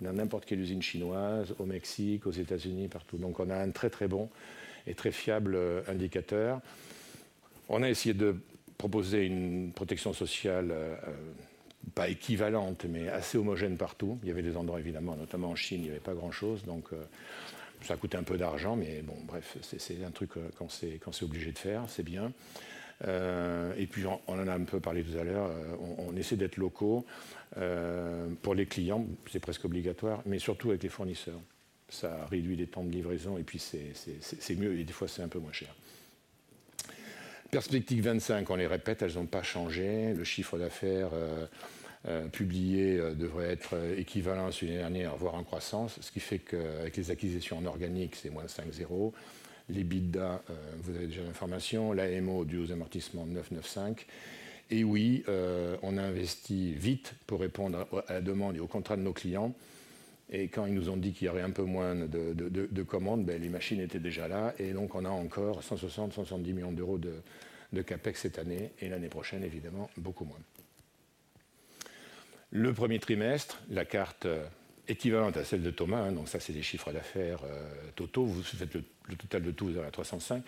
Dans n'importe quelle usine chinoise, au Mexique, aux États-Unis, partout. Donc on a un très, très bon et très fiable indicateur. On a essayé de proposer une protection sociale, pas équivalente, mais assez homogène partout. Il y avait des endroits, évidemment, notamment en Chine, il n'y avait pas grand-chose. Donc ça coûte un peu d'argent, mais bon bref, c'est un truc qu'on s'est obligé de faire, c'est bien. Et puis, on en a un peu parlé tout à l'heure, on essaie d'être locaux. Pour les clients, c'est presque obligatoire, mais surtout avec les fournisseurs. Ça réduit les temps de livraison et puis c'est mieux, et des fois, c'est un peu moins cher. Perspectives 25, on les répète, elles n'ont pas changé. Le chiffre d'affaires publié devrait être équivalent à celui de l'année dernière, voire en croissance. Ce qui fait qu'avec les acquisitions en organique, c'est moins 5,0%. Les EBITDA, vous avez déjà l'information, l'EBITDA du amortissement 9,95. Oui, on a investi vite pour répondre à la demande et aux contrats de nos clients. Quand ils nous ont dit qu'il y aurait un peu moins de commandes, les machines étaient déjà là. Donc, on a encore €160, 170 millions d'euros de CAPEX cette année. L'année prochaine, évidemment, beaucoup moins. Le premier trimestre, la carte équivalente à celle de Thomas, donc ça, c'est les chiffres d'affaires totaux. Vous faites le total de tout, vous avez 305.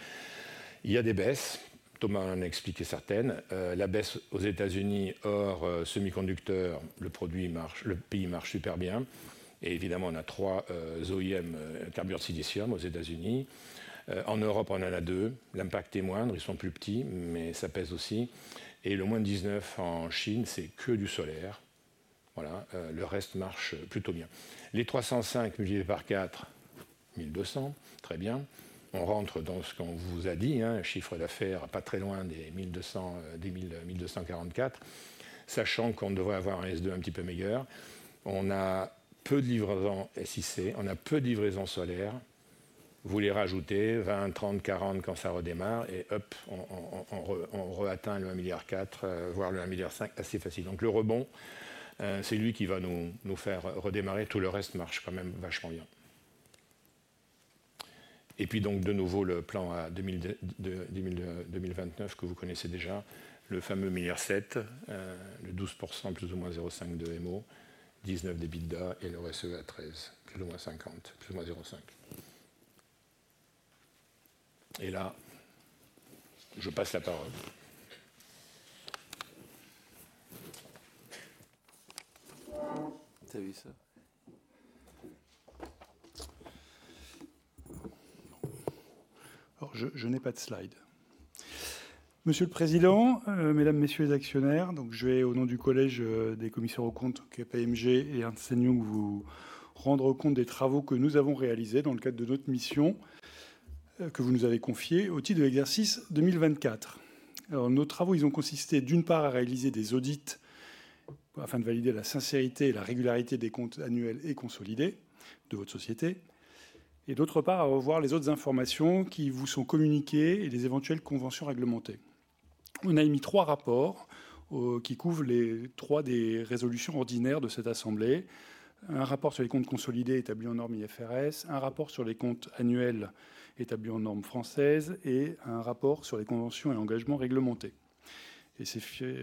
Il y a des baisses. Thomas en a expliqué certaines. La baisse aux États-Unis, hors semi-conducteurs, le pays marche super bien. Évidemment, on a trois OEM carbure de silicium aux États-Unis. En Europe, on en a deux. L'impact est moindre, ils sont plus petits, mais ça pèse aussi. Et le moins 19 en Chine, c'est que du solaire. Voilà, le reste marche plutôt bien. Les 305, divisé par 4, 1 200, très bien. On rentre dans ce qu'on vous a dit, un chiffre d'affaires pas très loin des 1 200, 1 244. Sachant qu'on devrait avoir un S2 un petit peu meilleur. On a peu de livraisons SIC, on a peu de livraisons solaires. Vous les rajoutez, 20, 30, 40, quand ça redémarre, et hop, on re-atteint le 1,4 milliard, voire le 1,5 milliard assez facilement. Donc le rebond, c'est lui qui va nous faire redémarrer. Tout le reste marche quand même vachement bien. Et puis donc, de nouveau, le plan à 2029 que vous connaissez déjà, le fameux milliard 7, le 12% plus ou moins 0,5 de MO, 19 des bidas, et le reste à 13, plus ou moins 50, plus ou moins 0,5. Et là, je passe la parole. Tu as vu ça? Alors, je n'ai pas de slide. Monsieur le Président, Mesdames et Messieurs les actionnaires, donc je vais, au nom du collège des commissaires aux comptes KPMG et Arsenium, vous rendre compte des travaux que nous avons réalisés dans le cadre de notre mission que vous nous avez confiée au titre de l'exercice 2024. Alors, nos travaux, ils ont consisté, d'une part, à réaliser des audits afin de valider la sincérité et la régularité des comptes annuels et consolidés de votre société, et d'autre part, à revoir les autres informations qui vous sont communiquées et les éventuelles conventions réglementées. Nous avons émis trois rapports qui couvrent les trois résolutions ordinaires de cette assemblée: un rapport sur les comptes consolidés établis en norme IFRS, un rapport sur les comptes annuels établis en norme française, et un rapport sur les conventions et engagements réglementés.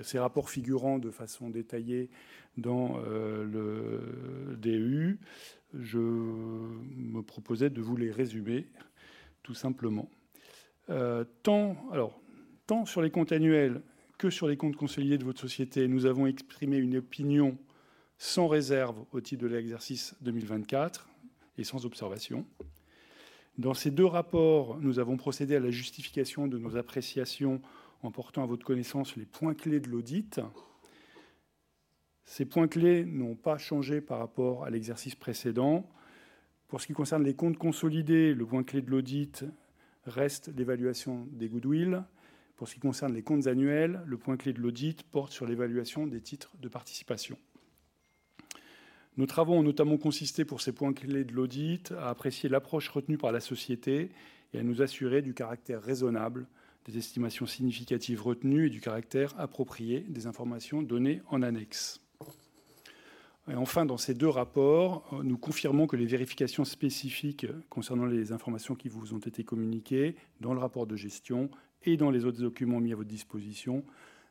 Ces rapports figurant de façon détaillée dans le document d'enregistrement universel, je me proposais de vous les résumer tout simplement. Tant sur les comptes annuels que sur les comptes consolidés de votre société, nous avons exprimé une opinion sans réserve au titre de l'exercice 2024 et sans observation. Dans ces deux rapports, nous avons procédé à la justification de nos appréciations en portant à votre connaissance les points clés de l'audit. Ces points clés n'ont pas changé par rapport à l'exercice précédent. Pour ce qui concerne les comptes consolidés, le point clé de l'audit reste l'évaluation des goodwills. Pour ce qui concerne les comptes annuels, le point clé de l'audit porte sur l'évaluation des titres de participation. Nos travaux ont notamment consisté, pour ces points clés de l'audit, à apprécier l'approche retenue par la société et à nous assurer du caractère raisonnable des estimations significatives retenues et du caractère approprié des informations données en annexe. Enfin, dans ces deux rapports, nous confirmons que les vérifications spécifiques concernant les informations qui vous ont été communiquées dans le rapport de gestion et dans les autres documents mis à votre disposition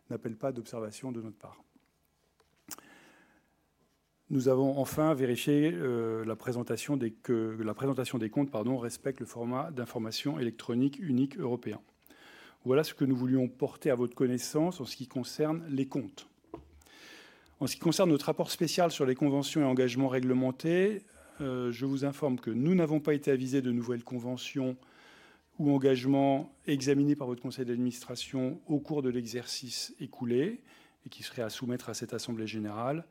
n'appellent pas d'observation de notre part. Nous avons enfin vérifié que la présentation des comptes respecte le format d'information électronique unique européen. Voilà ce que nous voulions porter à votre connaissance en ce qui concerne les comptes. En ce qui concerne notre rapport spécial sur les conventions et engagements réglementés, je vous informe que nous n'avons pas été avisés de nouvelles conventions ou engagements examinés par votre conseil d'administration au cours de l'exercice écoulé et qui seraient à soumettre à cette assemblée générale,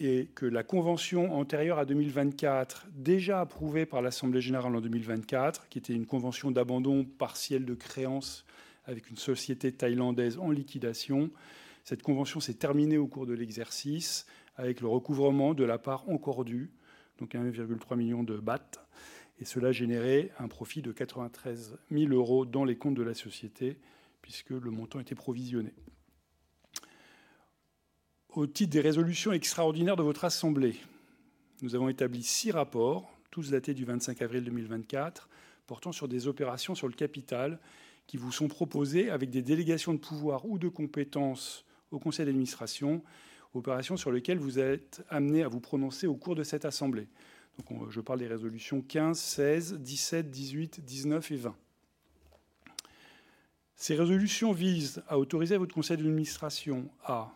et que la convention antérieure à 2024, déjà approuvée par l'assemblée générale en 2024, qui était une convention d'abandon partiel de créance avec une société thaïlandaise en liquidation, cette convention s'est terminée au cours de l'exercice avec le recouvrement de la part encore due, donc 1,3 million de bahts, et cela générait un profit de €93 000 dans les comptes de la société puisque le montant était provisionné. Au titre des résolutions extraordinaires de votre assemblée, nous avons établi six rapports, tous datés du 25 avril 2024, portant sur des opérations sur le capital qui vous sont proposées avec des délégations de pouvoir ou de compétence au conseil d'administration, opérations sur lesquelles vous êtes amenés à vous prononcer au cours de cette assemblée. Je parle des résolutions 15, 16, 17, 18, 19 et 20. Ces résolutions visent à autoriser votre conseil d'administration à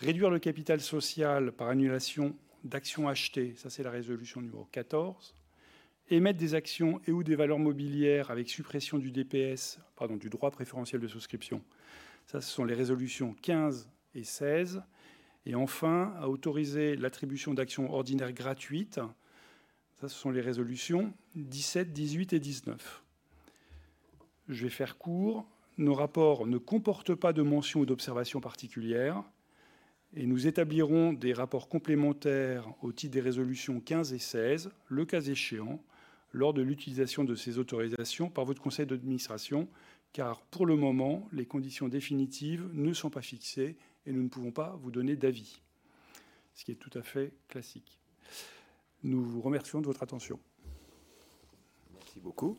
réduire le capital social par annulation d'actions achetées, ça c'est la résolution numéro 15, émettre des actions et/ou des valeurs mobilières avec suppression du DPS, du droit préférentiel de souscription. Ça, ce sont les résolutions 15 et 16. Et enfin, à autoriser l'attribution d'actions ordinaires gratuites. Ça, ce sont les résolutions 17, 18 et 19. Je vais faire court. Nos rapports ne comportent pas de mentions ou d'observations particulières. Et nous établirons des rapports complémentaires au titre des résolutions 15 et 16, le cas échéant, lors de l'utilisation de ces autorisations par votre conseil d'administration, car pour le moment, les conditions définitives ne sont pas fixées et nous ne pouvons pas vous donner d'avis. Ce qui est tout à fait classique. Nous vous remercions de votre attention. Merci beaucoup.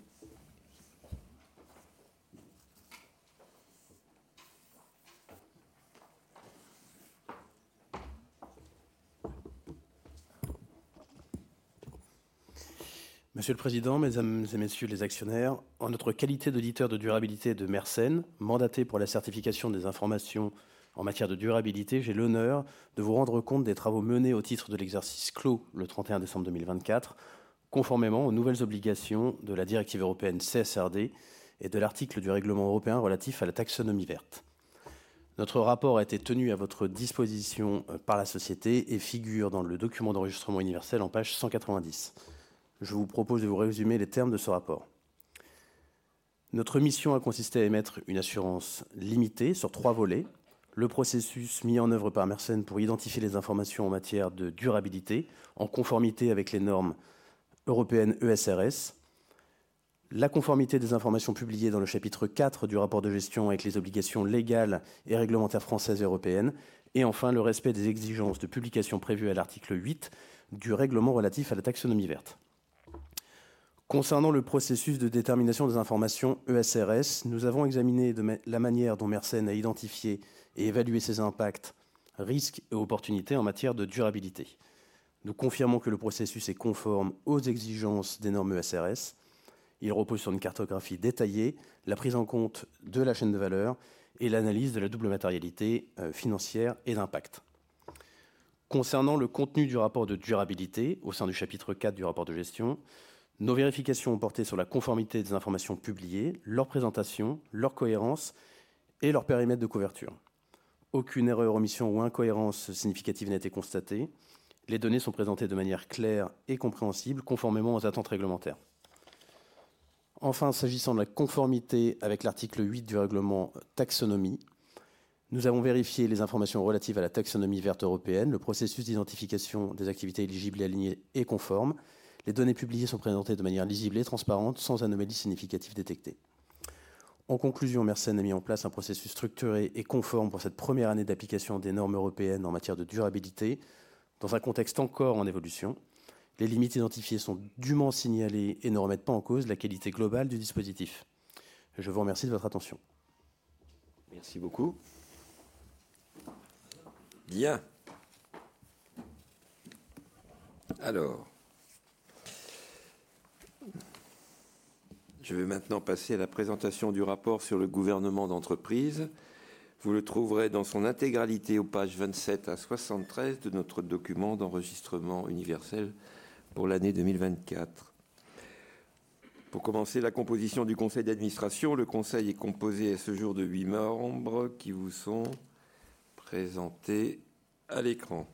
Monsieur le Président, Mesdames et Messieurs les actionnaires, en notre qualité d'auditeur de durabilité de Mersen, mandaté pour la certification des informations en matière de durabilité, j'ai l'honneur de vous rendre compte des travaux menés au titre de l'exercice clos le 31 décembre 2024, conformément aux nouvelles obligations de la directive européenne CSRD et de l'article du règlement européen relatif à la taxonomie verte. Notre rapport a été tenu à votre disposition par la société et figure dans le document d'enregistrement universel en page 190. Je vous propose de vous résumer les termes de ce rapport. Notre mission a consisté à émettre une assurance limitée sur trois volets. Le processus mis en œuvre par Mersen pour identifier les informations en matière de durabilité, en conformité avec les normes européennes ESRS. La conformité des informations publiées dans le chapitre 4 du rapport de gestion avec les obligations légales et réglementaires françaises et européennes. Et enfin, le respect des exigences de publication prévues à l'article 8 du règlement relatif à la taxonomie verte. Concernant le processus de détermination des informations ESRS, nous avons examiné la manière dont Mersen a identifié et évalué ses impacts, risques et opportunités en matière de durabilité. Nous confirmons que le processus est conforme aux exigences des normes ESRS. Il repose sur une cartographie détaillée, la prise en compte de la chaîne de valeur et l'analyse de la double matérialité financière et d'impact. Concernant le contenu du rapport de durabilité au sein du chapitre 4 du rapport de gestion, nos vérifications ont porté sur la conformité des informations publiées, leur présentation, leur cohérence et leur périmètre de couverture. Aucune erreur, omission ou incohérence significative n'a été constatée. Les données sont présentées de manière claire et compréhensible, conformément aux attentes réglementaires. Enfin, s'agissant de la conformité avec l'article 8 du règlement taxonomie, nous avons vérifié les informations relatives à la taxonomie verte européenne. Le processus d'identification des activités éligibles et alignées est conforme. Les données publiées sont présentées de manière lisible et transparente, sans anomalie significative détectée. En conclusion, Mersen a mis en place un processus structuré et conforme pour cette première année d'application des normes européennes en matière de durabilité, dans un contexte encore en évolution. Les limites identifiées sont dûment signalées et ne remettent pas en cause la qualité globale du dispositif. Je vous remercie de votre attention. Merci beaucoup. Bien. Alors, je vais maintenant passer à la présentation du rapport sur le gouvernement d'entreprise. Vous le trouverez dans son intégralité aux pages 27 à 73 de notre document d'enregistrement universel pour l'année 2024. Pour commencer, la composition du conseil d'administration. Le conseil est composé à ce jour de huit membres qui vous sont présentés à l'écran.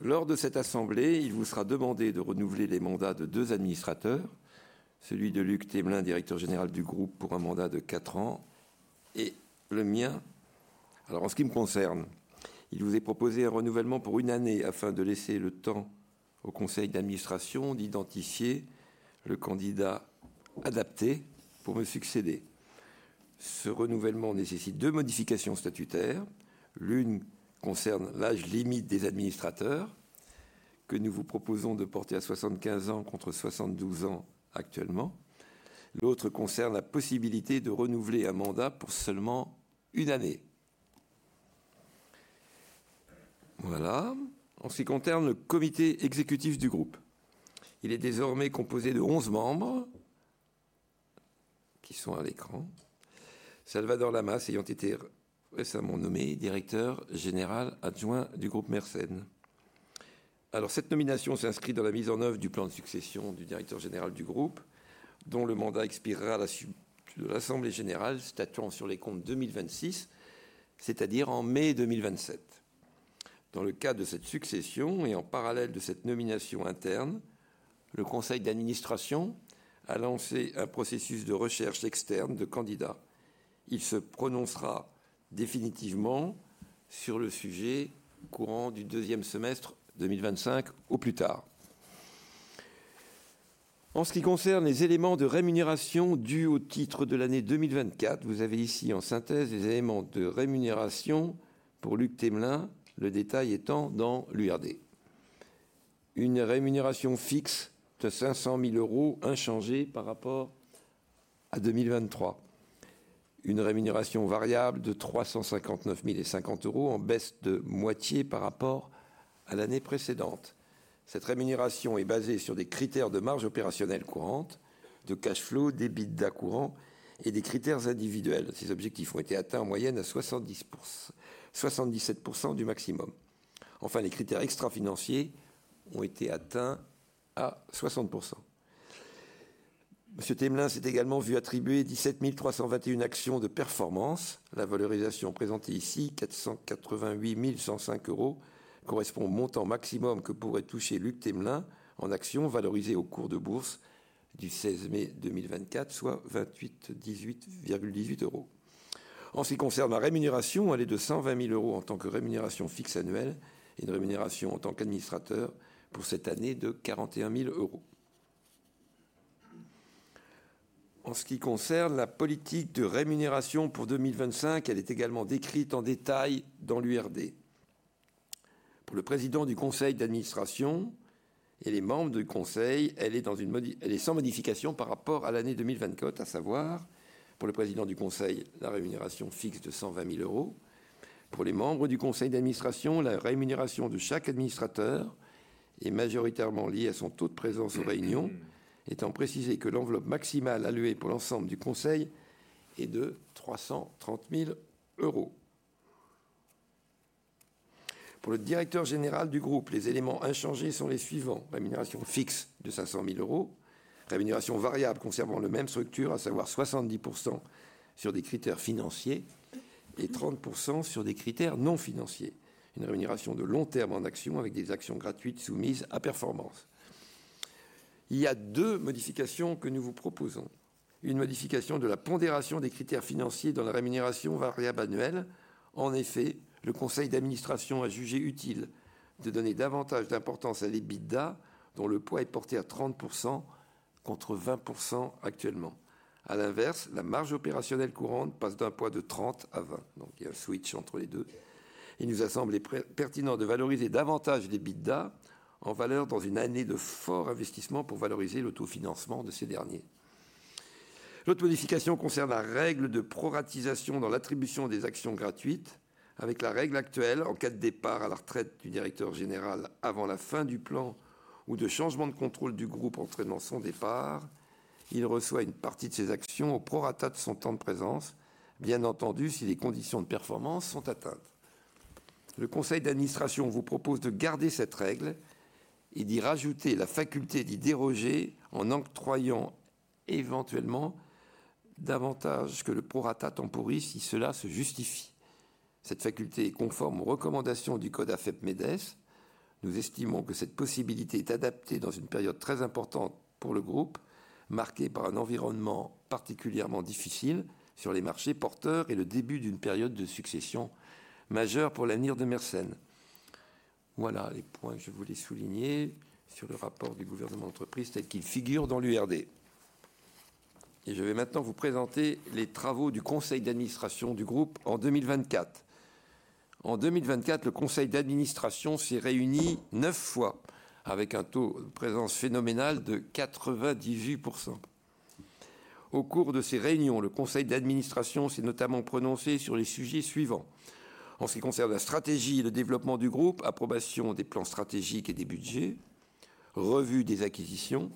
Lors de cette assemblée, il vous sera demandé de renouveler les mandats de deux administrateurs, celui de Luc Témelin, Directeur Général du groupe, pour un mandat de quatre ans, et le mien. Alors, en ce qui me concerne, il vous est proposé un renouvellement pour une année afin de laisser le temps au conseil d'administration d'identifier le candidat adapté pour me succéder. Ce renouvellement nécessite deux modifications statutaires. L'une concerne l'âge limite des administrateurs, que nous vous proposons de porter à 75 ans contre 72 ans actuellement. L'autre concerne la possibilité de renouveler un mandat pour seulement une année. Voilà. En ce qui concerne le comité exécutif du groupe, il est désormais composé de 11 membres qui sont à l'écran. Salvador Lamas ayant été récemment nommé Directeur Général Adjoint du groupe Mersen. Alors, cette nomination s'inscrit dans la mise en œuvre du plan de succession du Directeur Général du groupe, dont le mandat expirera à la suite de l'assemblée générale se statuant sur les comptes 2026, c'est-à-dire en mai 2027. Dans le cadre de cette succession et en parallèle de cette nomination interne, le conseil d'administration a lancé un processus de recherche externe de candidats. Il se prononcera définitivement sur le sujet courant du deuxième semestre 2025 au plus tard. En ce qui concerne les éléments de rémunération dus au titre de l'année 2024, vous avez ici en synthèse les éléments de rémunération pour Luc Témelin, le détail étant dans l'URD. Une rémunération fixe de €500 000 inchangée par rapport à 2023. Une rémunération variable de €359 050 en baisse de moitié par rapport à l'année précédente. Cette rémunération est basée sur des critères de marge opérationnelle courante, de cash flow, débit d'accourant et des critères individuels. Ces objectifs ont été atteints en moyenne à 77% du maximum. Enfin, les critères extra-financiers ont été atteints à 60%. Monsieur Témelin s'est également vu attribuer 17 321 actions de performance. La valorisation présentée ici, €488 105, correspond au montant maximum que pourrait toucher Luc Témelin en actions valorisées au cours de bourse du 16 mai 2024, soit €28,18. En ce qui concerne la rémunération, elle est de €120 000 en tant que rémunération fixe annuelle et une rémunération en tant qu'administrateur pour cette année de €41 000. En ce qui concerne la politique de rémunération pour 2025, elle est également décrite en détail dans l'URD. Pour le Président du Conseil d'Administration et les membres du conseil, elle est sans modification par rapport à l'année 2024, à savoir pour le Président du Conseil, la rémunération fixe de €120 000. Pour les membres du Conseil d'Administration, la rémunération de chaque administrateur est majoritairement liée à son taux de présence aux réunions, étant précisé que l'enveloppe maximale allouée pour l'ensemble du conseil est de €330 000. Pour le directeur général du groupe, les éléments inchangés sont les suivants: rémunération fixe de €500 000, rémunération variable concernant la même structure, à savoir 70% sur des critères financiers et 30% sur des critères non financiers. Une rémunération de long terme en actions avec des actions gratuites soumises à performance. Il y a deux modifications que nous vous proposons. Une modification de la pondération des critères financiers dans la rémunération variable annuelle. En effet, le conseil d'administration a jugé utile de donner davantage d'importance à l'EBITDA, dont le poids est porté à 30% contre 20% actuellement. À l'inverse, la marge opérationnelle courante passe d'un poids de 30% à 20%. Donc, il y a un switch entre les deux. Il nous a semblé pertinent de valoriser davantage l'EBITDA en valeur dans une année de fort investissement pour valoriser l'autofinancement de ces derniers. L'autre modification concerne la règle de proratisation dans l'attribution des actions gratuites. Avec la règle actuelle, en cas de départ à la retraite du directeur général avant la fin du plan ou de changement de contrôle du groupe entraînant son départ, il reçoit une partie de ses actions au prorata de son temps de présence, bien entendu si les conditions de performance sont atteintes. Le conseil d'administration vous propose de garder cette règle et d'y rajouter la faculté d'y déroger en octroyant éventuellement davantage que le prorata temporel si cela se justifie. Cette faculté est conforme aux recommandations du code AFEP-MEDEF. Nous estimons que cette possibilité est adaptée dans une période très importante pour le groupe, marquée par un environnement particulièrement difficile sur les marchés porteurs et le début d'une période de succession majeure pour l'avenir de Mersen. Voilà les points que je voulais souligner sur le rapport du gouvernement d'entreprise tel qu'il figure dans l'URD. Je vais maintenant vous présenter les travaux du conseil d'administration du groupe en 2024. En 2024, le conseil d'administration s'est réuni neuf fois avec un taux de présence phénoménal de 98%. Au cours de ces réunions, le conseil d'administration s'est notamment prononcé sur les sujets suivants. En ce qui concerne la stratégie et le développement du groupe, approbation des plans stratégiques et des budgets, revue des acquisitions.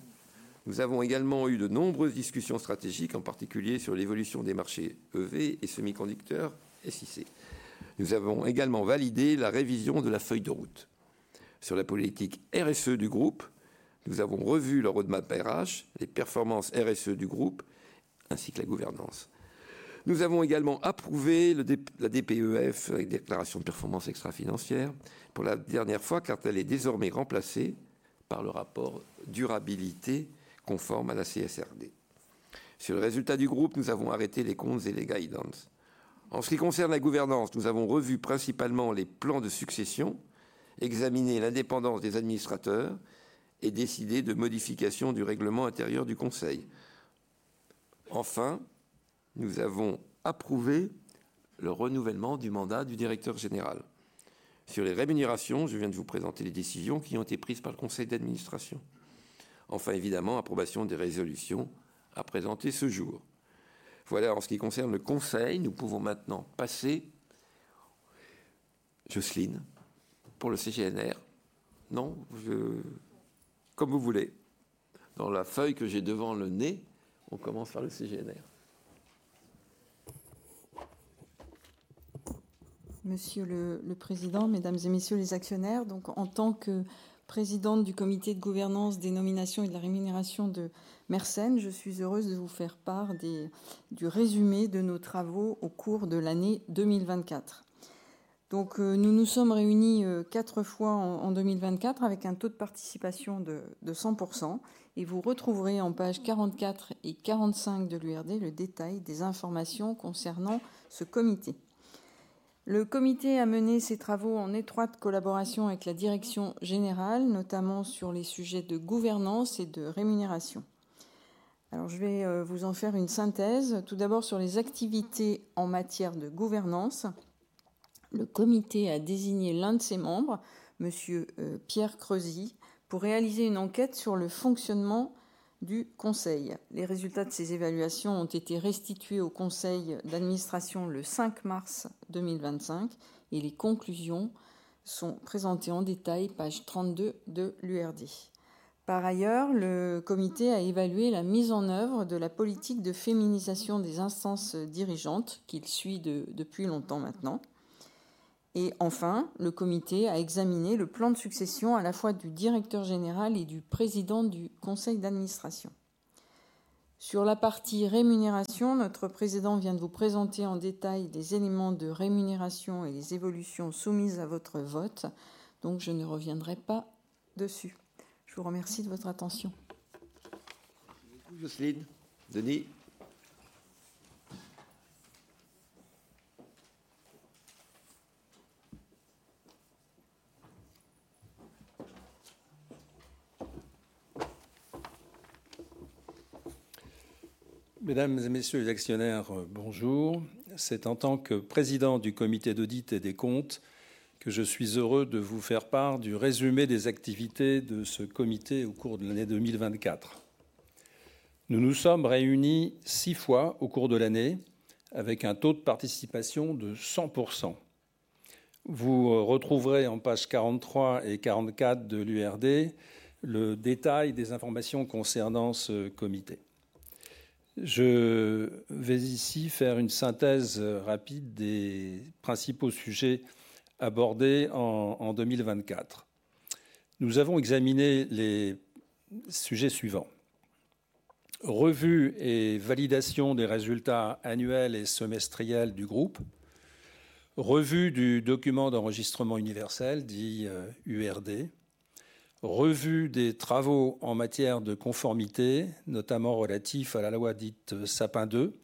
Nous avons également eu de nombreuses discussions stratégiques, en particulier sur l'évolution des marchés EV et semi-conducteurs SiC. Nous avons également validé la révision de la feuille de route. Sur la politique RSE du groupe, nous avons revu le roadmap RH, les performances RSE du groupe, ainsi que la gouvernance. Nous avons également approuvé la DPEF avec déclaration de performance extra-financière pour la dernière fois, car elle est désormais remplacée par le rapport durabilité conforme à la CSRD. Sur le résultat du groupe, nous avons arrêté les comptes et les guidances. En ce qui concerne la gouvernance, nous avons revu principalement les plans de succession, examiné l'indépendance des administrateurs et décidé de modification du règlement intérieur du conseil. Enfin, nous avons approuvé le renouvellement du mandat du Directeur Général. Sur les rémunérations, je viens de vous présenter les décisions qui ont été prises par le conseil d'administration. Enfin, évidemment, approbation des résolutions à présenter ce jour. Voilà, en ce qui concerne le conseil, nous pouvons maintenant passer, Jocelyne, pour le CGNR. Non, comme vous voulez. Dans la feuille que j'ai devant le nez, on commence par le CGNR. Monsieur le Président, Mesdames et Messieurs les actionnaires, en tant que présidente du comité de gouvernance des nominations et de la rémunération de Mersen, je suis heureuse de vous faire part du résumé de nos travaux au cours de l'année 2024. Nous nous sommes réunis quatre fois en 2024 avec un taux de participation de 100%. Vous retrouverez en page 44 et 45 de l'URD le détail des informations concernant ce comité. Le comité a mené ces travaux en étroite collaboration avec la direction générale, notamment sur les sujets de gouvernance et de rémunération. Je vais vous en faire une synthèse. Tout d'abord, sur les activités en matière de gouvernance, le comité a désigné l'un de ses membres, Monsieur Pierre Crozie, pour réaliser une enquête sur le fonctionnement du conseil. Les résultats de ces évaluations ont été restitués au conseil d'administration le 5 mars 2025, et les conclusions sont présentées en détail, page 32 de l'URD. Par ailleurs, le comité a évalué la mise en œuvre de la politique de féminisation des instances dirigeantes, qu'il suit depuis longtemps maintenant. Enfin, le comité a examiné le plan de succession à la fois du Directeur Général et du Président du Conseil d'Administration. Sur la partie rémunération, notre Président vient de vous présenter en détail les éléments de rémunération et les évolutions soumises à votre vote. Donc, je ne reviendrai pas dessus. Je vous remercie de votre attention. Merci beaucoup, Jocelyne. Denis. Mesdames et Messieurs les actionnaires, bonjour. C'est en tant que Président du Comité d'Audit et des Comptes que je suis heureux de vous faire part du résumé des activités de ce comité au cours de l'année 2024. Nous nous sommes réunis six fois au cours de l'année avec un taux de participation de 100%. Vous retrouverez en page 43 et 44 de l'URD le détail des informations concernant ce comité. Je vais ici faire une synthèse rapide des principaux sujets abordés en 2024. Nous avons examiné les sujets suivants: revue et validation des résultats annuels et semestriels du groupe, revue du document d'enregistrement universel, dit URD, revue des travaux en matière de conformité, notamment relatifs à la loi dite Sapin 2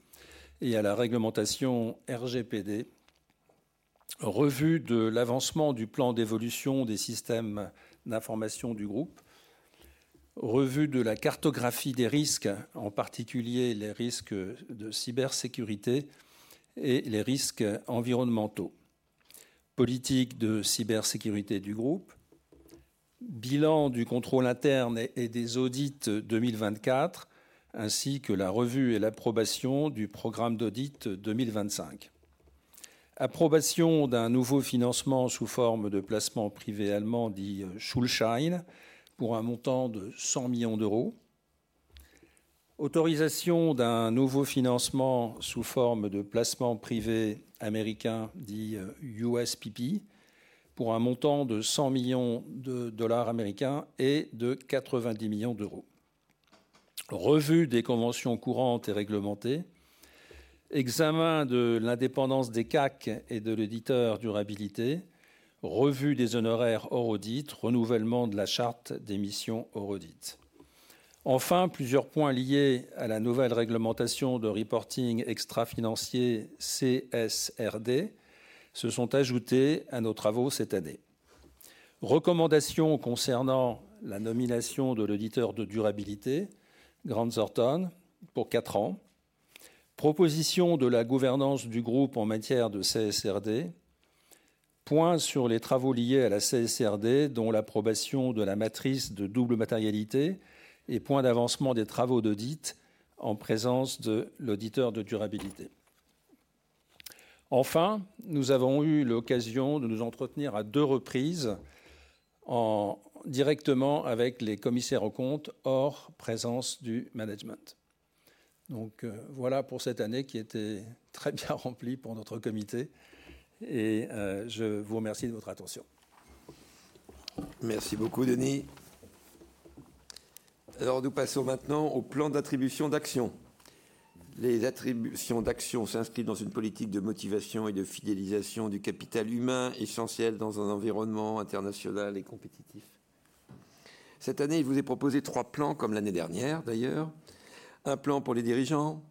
et à la réglementation RGPD, revue de l'avancement du plan d'évolution des systèmes d'information du groupe, revue de la cartographie des risques, en particulier les risques de cybersécurité et les risques environnementaux, politique de cybersécurité du groupe, bilan du contrôle interne et des audits 2024, ainsi que la revue et l'approbation du programme d'audit 2025, approbation d'un nouveau financement sous forme de placement privé allemand, dit Schuldschein, pour un montant de €100 millions, autorisation d'un nouveau financement sous forme de placement privé américain, dit USPP, pour un montant de $100 millions américains et de €90 millions, revue des conventions courantes et réglementées, examen de l'indépendance des CAC et de l'auditeur durabilité, revue des honoraires hors audit, renouvellement de la charte des missions hors audit. Enfin, plusieurs points liés à la nouvelle réglementation de reporting extra-financier CSRD se sont ajoutés à nos travaux cette année. Recommandations concernant la nomination de l'auditeur de durabilité, Grant Thornton, pour quatre ans, proposition de la gouvernance du groupe en matière de CSRD, points sur les travaux liés à la CSRD, dont l'approbation de la matrice de double matérialité et point d'avancement des travaux d'audit en présence de l'auditeur de durabilité. Enfin, nous avons eu l'occasion de nous entretenir à deux reprises directement avec les commissaires aux comptes, hors présence du management. Voilà pour cette année qui était très bien remplie pour notre comité. Je vous remercie de votre attention. Merci beaucoup, Denis. Nous passons maintenant au plan d'attribution d'actions. Les attributions d'actions s'inscrivent dans une politique de motivation et de fidélisation du capital humain, essentiel dans un environnement international et compétitif. Cette année, il vous est proposé trois plans, comme l'année dernière d'ailleurs: un plan pour les dirigeants,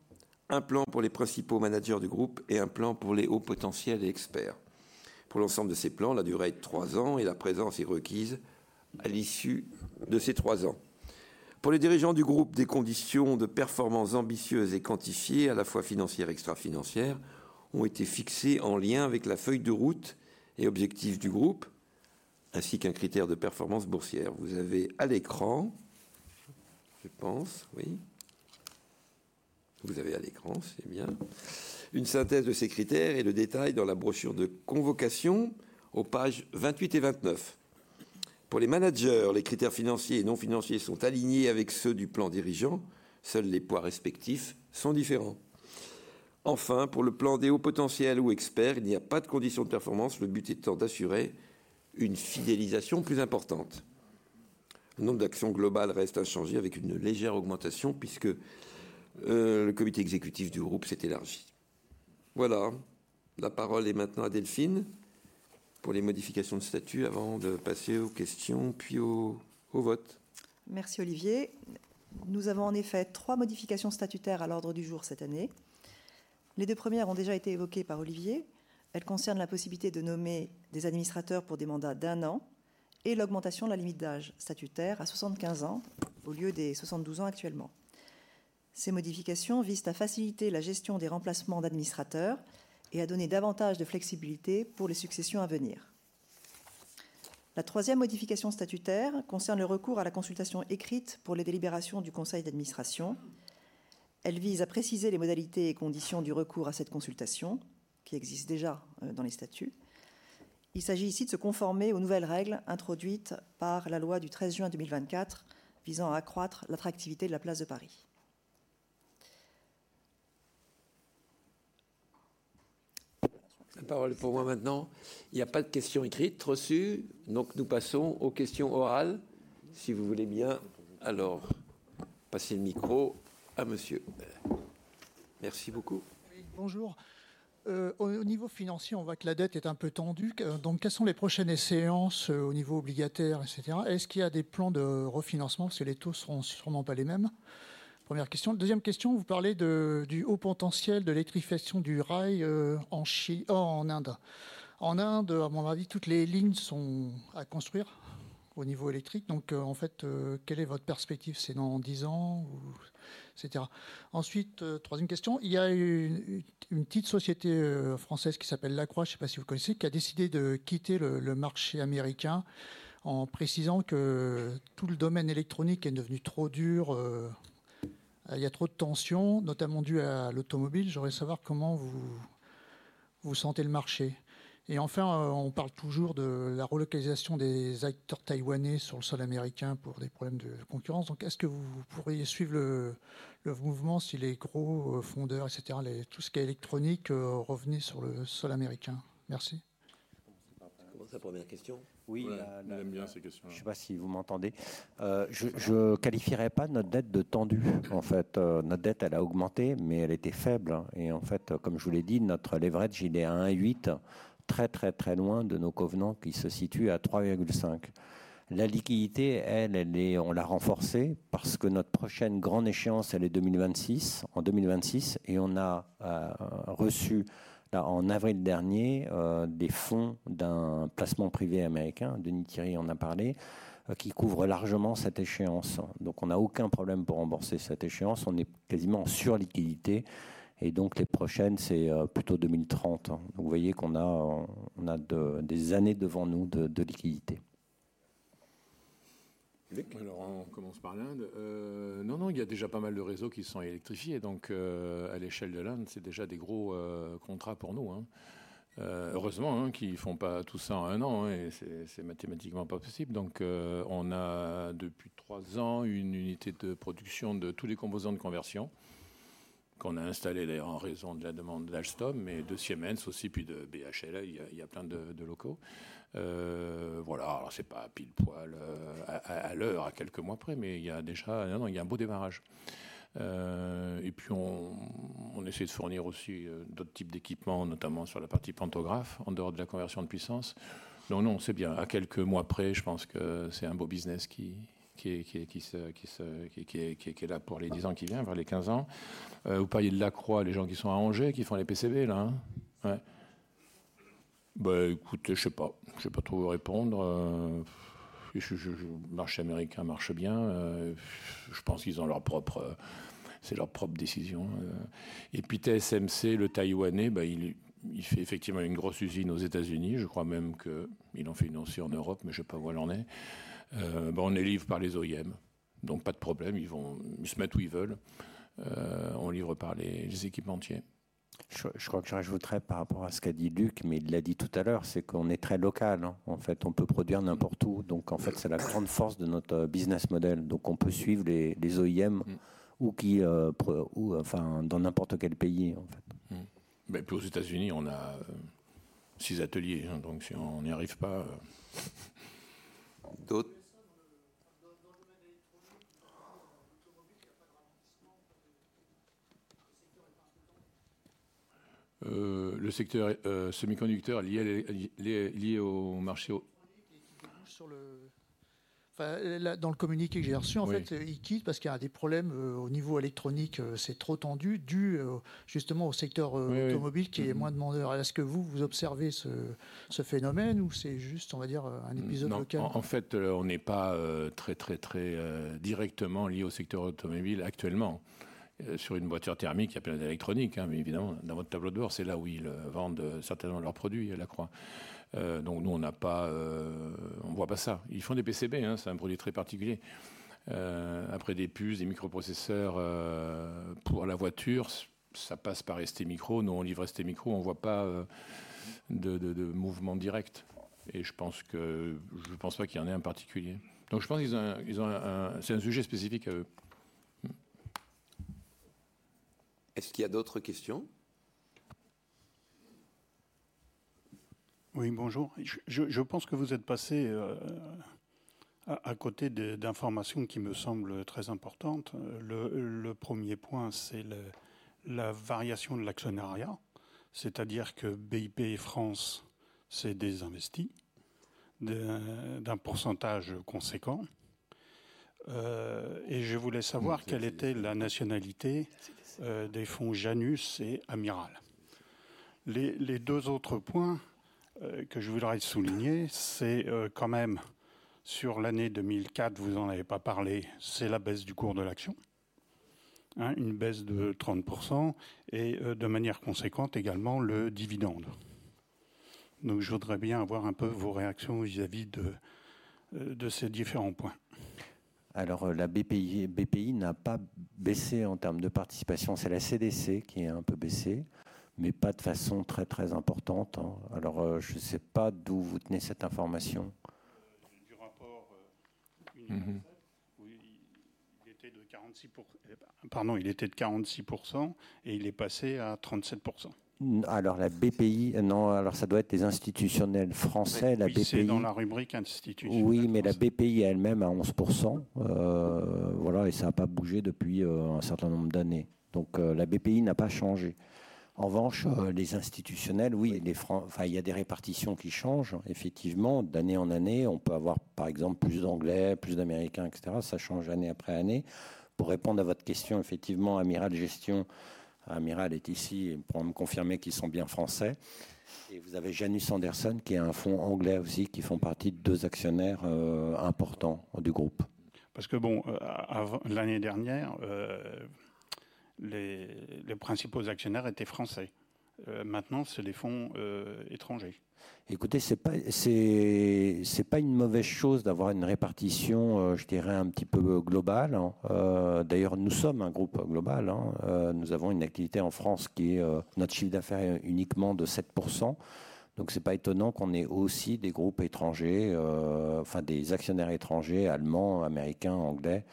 un plan pour les principaux managers du groupe et un plan pour les hauts potentiels et experts. Pour l'ensemble de ces plans, la durée est de trois ans et la présence est requise à l'issue de ces trois ans. Pour les dirigeants du groupe, des conditions de performance ambitieuses et quantifiées, à la fois financières et extra-financières, ont été fixées en lien avec la feuille de route et objectifs du groupe, ainsi qu'un critère de performance boursière. Vous avez à l'écran, je pense, oui. Vous avez à l'écran, c'est bien. Une synthèse de ces critères est le détail dans la brochure de convocation, aux pages 28 et 29. Pour les managers, les critères financiers et non financiers sont alignés avec ceux du plan dirigeant. Seuls les poids respectifs sont différents. Enfin, pour le plan des hauts potentiels ou experts, il n'y a pas de conditions de performance. Le but étant d'assurer une fidélisation plus importante. Le nombre d'actions globales reste inchangé, avec une légère augmentation puisque le comité exécutif du groupe s'est élargi. Voilà, la parole est maintenant à Delphine pour les modifications de statut avant de passer aux questions, puis au vote. Merci, Olivier. Nous avons en effet trois modifications statutaires à l'ordre du jour cette année. Les deux premières ont déjà été évoquées par Olivier. Elles concernent la possibilité de nommer des administrateurs pour des mandats d'un an et l'augmentation de la limite d'âge statutaire à 75 ans au lieu des 72 ans actuellement. Ces modifications visent à faciliter la gestion des remplacements d'administrateurs et à donner davantage de flexibilité pour les successions à venir. La troisième modification statutaire concerne le recours à la consultation écrite pour les délibérations du conseil d'administration. Elle vise à préciser les modalités et conditions du recours à cette consultation, qui existe déjà dans les statuts. Il s'agit ici de se conformer aux nouvelles règles introduites par la loi du 13 juin 2024, visant à accroître l'attractivité de la place de Paris. La parole est pour moi maintenant. Il n'y a pas de questions écrites reçues. Donc, nous passons aux questions orales. Si vous voulez bien, alors, passez le micro à Monsieur. Merci beaucoup. Bonjour. Au niveau financier, on voit que la dette est un peu tendue. Donc, quelles sont les prochaines échéances au niveau obligataire, etc.? Est-ce qu'il y a des plans de refinancement? Parce que les taux ne seront sûrement pas les mêmes. Première question. Deuxième question, vous parlez du haut potentiel de l'électrification du rail en Chine, en Inde. En Inde, à mon avis, toutes les lignes sont à construire au niveau électrique. Donc, en fait, quelle est votre perspective? C'est dans dix ans, etc. Ensuite, troisième question. Il y a eu une petite société française qui s'appelle LACROIX, je ne sais pas si vous connaissez, qui a décidé de quitter le marché américain en précisant que tout le domaine électronique est devenu trop dur. Il y a trop de tensions, notamment dues à l'automobile. J'aimerais savoir comment vous sentez le marché. Et enfin, on parle toujours de la relocalisation des acteurs taïwanais sur le sol américain pour des problèmes de concurrence. Donc, est-ce que vous pourriez suivre le mouvement, si les gros fondeurs, etc., tout ce qui est électronique, revenaient sur le sol américain? Merci. Comment ça, première question? Oui, on aime bien ces questions. Je ne sais pas si vous m'entendez. Je ne qualifierais pas notre dette de tendue, en fait. Notre dette, elle a augmenté, mais elle était faible. Et en fait, comme je vous l'ai dit, notre leverage, il est à 1,8, très, très, très loin de nos covenants qui se situent à 3,5. La liquidité, elle, on l'a renforcée parce que notre prochaine grande échéance, elle est 2026, en 2026. Et on a reçu, là, en avril dernier, des fonds d'un placement privé américain, Denis Thiry en a parlé, qui couvrent largement cette échéance. Donc, on n'a aucun problème pour rembourser cette échéance. On est quasiment en surliquidité. Et donc, les prochaines, c'est plutôt 2030. Vous voyez qu'on a des années devant nous de liquidité. Alors, on commence par l'Inde. Non, non, il y a déjà pas mal de réseaux qui sont électrifiés. Donc, à l'échelle de l'Inde, c'est déjà des gros contrats pour nous. Heureusement qu'ils ne font pas tout ça en un an. Ce n'est mathématiquement pas possible. Donc, on a, depuis trois ans, une unité de production de tous les composants de conversion qu'on a installés d'ailleurs en raison de la demande d'Alstom, mais de Siemens aussi, puis de BHL. Il y a plein de locaux. Voilà, alors ce n'est pas pile poil à l'heure, à quelques mois près, mais il y a déjà un beau démarrage. Puis, on essaie de fournir aussi d'autres types d'équipements, notamment sur la partie pantographe, en dehors de la conversion de puissance. C'est bien. À quelques mois près, je pense que c'est un beau business qui est là pour les dix ans qui viennent, vers les quinze ans. Vous parliez de LACROIX, les gens qui sont à Angers, qui font les PCB, là? Ouais. Bah écoute, je ne sais pas. Je ne sais pas trop répondre. Le marché américain marche bien. Je pense qu'ils ont leur propre, c'est leur propre décision. Et puis, TSMC, le Taïwanais, il fait effectivement une grosse usine aux États-Unis. Je crois même qu'il en fait une aussi en Europe, mais je ne sais pas où elle en est. On les livre par les OEM. Donc, pas de problème, ils se mettent où ils veulent. On livre par les équipementiers. Je crois que je rajouterais par rapport à ce qu'a dit Luc, mais il l'a dit tout à l'heure, c'est qu'on est très local. En fait, on peut produire n'importe où. Donc, en fait, c'est la grande force de notre business model. Donc, on peut suivre les OIM, ou dans n'importe quel pays, en fait. Et puis, aux États-Unis, on a six ateliers. Donc, si on n'y arrive pas... D'autres? Dans le domaine électronique, dans l'automobile, il n'y a pas de ralentissement? Le secteur est un peu tendu? Le secteur semi-conducteur est lié au marché électronique et qui débouche sur le... Dans le communiqué que j'ai reçu, en fait, ils quittent parce qu'il y a des problèmes au niveau électronique. C'est trop tendu dû justement au secteur automobile qui est moins demandeur. Est-ce que vous, vous observez ce phénomène ou c'est juste, on va dire, un épisode local? En fait, on n'est pas très, très, très directement lié au secteur automobile actuellement. Sur une voiture thermique, il y a plein d'électroniques, mais évidemment, dans votre tableau de bord, c'est là où ils vendent certainement leurs produits, LACROIX. Donc, nous, on n'a pas, on ne voit pas ça. Ils font des PCB, c'est un produit très particulier. Après, des puces, des microprocesseurs pour la voiture, ça passe par STMicro. Nous, on livre STMicro, on ne voit pas de mouvement direct. Et je pense que, je ne pense pas qu'il y en ait un particulier. Donc, je pense qu'ils ont, c'est un sujet spécifique à eux. Est-ce qu'il y a d'autres questions? Oui, bonjour. Je pense que vous êtes passé à côté d'informations qui me semblent très importantes. Le premier point, c'est la variation de l'actionnariat. C'est-à-dire que BPI France s'est désinvesti d'un pourcentage conséquent. Et je voulais savoir quelle était la nationalité des fonds Janus et Amiral. Les deux autres points que je voudrais souligner, c'est quand même, sur l'année 2024, vous n'en avez pas parlé, c'est la baisse du cours de l'action. Une baisse de 30% et, de manière conséquente également, le dividende. Donc, je voudrais bien avoir un peu vos réactions vis-à-vis de ces différents points. Alors, la BPI n'a pas baissé en termes de participation. C'est la CDC qui a un peu baissé, mais pas de façon très, très importante. Alors, je ne sais pas d'où vous tenez cette information. Du rapport 1,7, il était de 46%. Pardon, il était de 46% et il est passé à 37%. Alors, la BPI, non, alors ça doit être les institutionnels français, la BPI. C'est dans la rubrique institutionnelle. Oui, mais la BPI elle-même a 11%. Voilà, et ça n'a pas bougé depuis un certain nombre d'années. Donc, la BPI n'a pas changé. En revanche, les institutionnels, oui, il y a des répartitions qui changent, effectivement, d'année en année. On peut avoir, par exemple, plus d'Anglais, plus d'Américains, etc. Ça change année après année. Pour répondre à votre question, effectivement, Amiral Gestion, Amiral est ici pour me confirmer qu'ils sont bien français. Et vous avez Janus Anderson, qui est un fonds anglais aussi, qui fait partie de deux actionnaires importants du groupe. Parce que bon, l'année dernière, les principaux actionnaires étaient français. Maintenant, c'est des fonds étrangers. Écoutez, ce n'est pas une mauvaise chose d'avoir une répartition, je dirais, un petit peu globale. D'ailleurs, nous sommes un groupe global. Nous avons une activité en France qui est... Notre chiffre d'affaires est uniquement de 7%. Donc, ce n'est pas étonnant qu'on ait aussi des groupes étrangers, enfin des actionnaires étrangers, allemands, américains, anglais,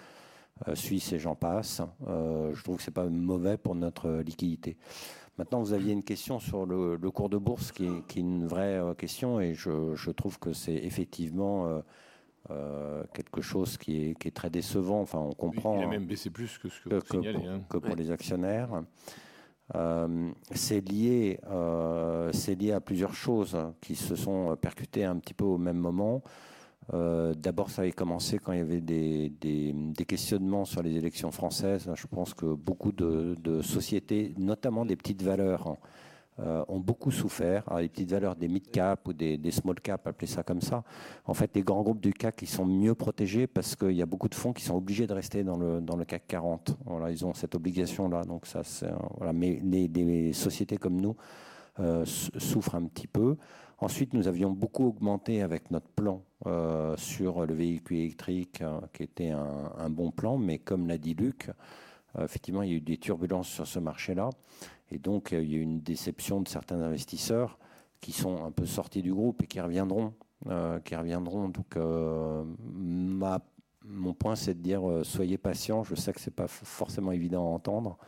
suisses et j'en passe. Je trouve que ce n'est pas mauvais pour notre liquidité. Maintenant, vous aviez une question sur le cours de bourse qui est une vraie question et je trouve que c'est effectivement quelque chose qui est très décevant. On comprend. Il a même baissé plus que ce que vous signaliez que pour les actionnaires. C'est lié à plusieurs choses qui se sont percutées un petit peu au même moment. D'abord, ça avait commencé quand il y avait des questionnements sur les élections françaises. Je pense que beaucoup de sociétés, notamment des petites valeurs, ont beaucoup souffert. Les petites valeurs, des mid caps ou des small caps, appelez ça comme ça. En fait, les grands groupes du CAC, ils sont mieux protégés parce qu'il y a beaucoup de fonds qui sont obligés de rester dans le CAC 40. Ils ont cette obligation-là. Donc, ça, c'est voilà. Mais les sociétés comme nous souffrent un petit peu. Ensuite, nous avions beaucoup augmenté avec notre plan sur le véhicule électrique qui était un bon plan. Mais comme l'a dit Luc, effectivement, il y a eu des turbulences sur ce marché-là. Il y a eu une déception de certains investisseurs qui sont un peu sortis du groupe et qui reviendront. Donc, mon point, c'est de dire: soyez patients. Je sais que ce n'est pas forcément évident à entendre,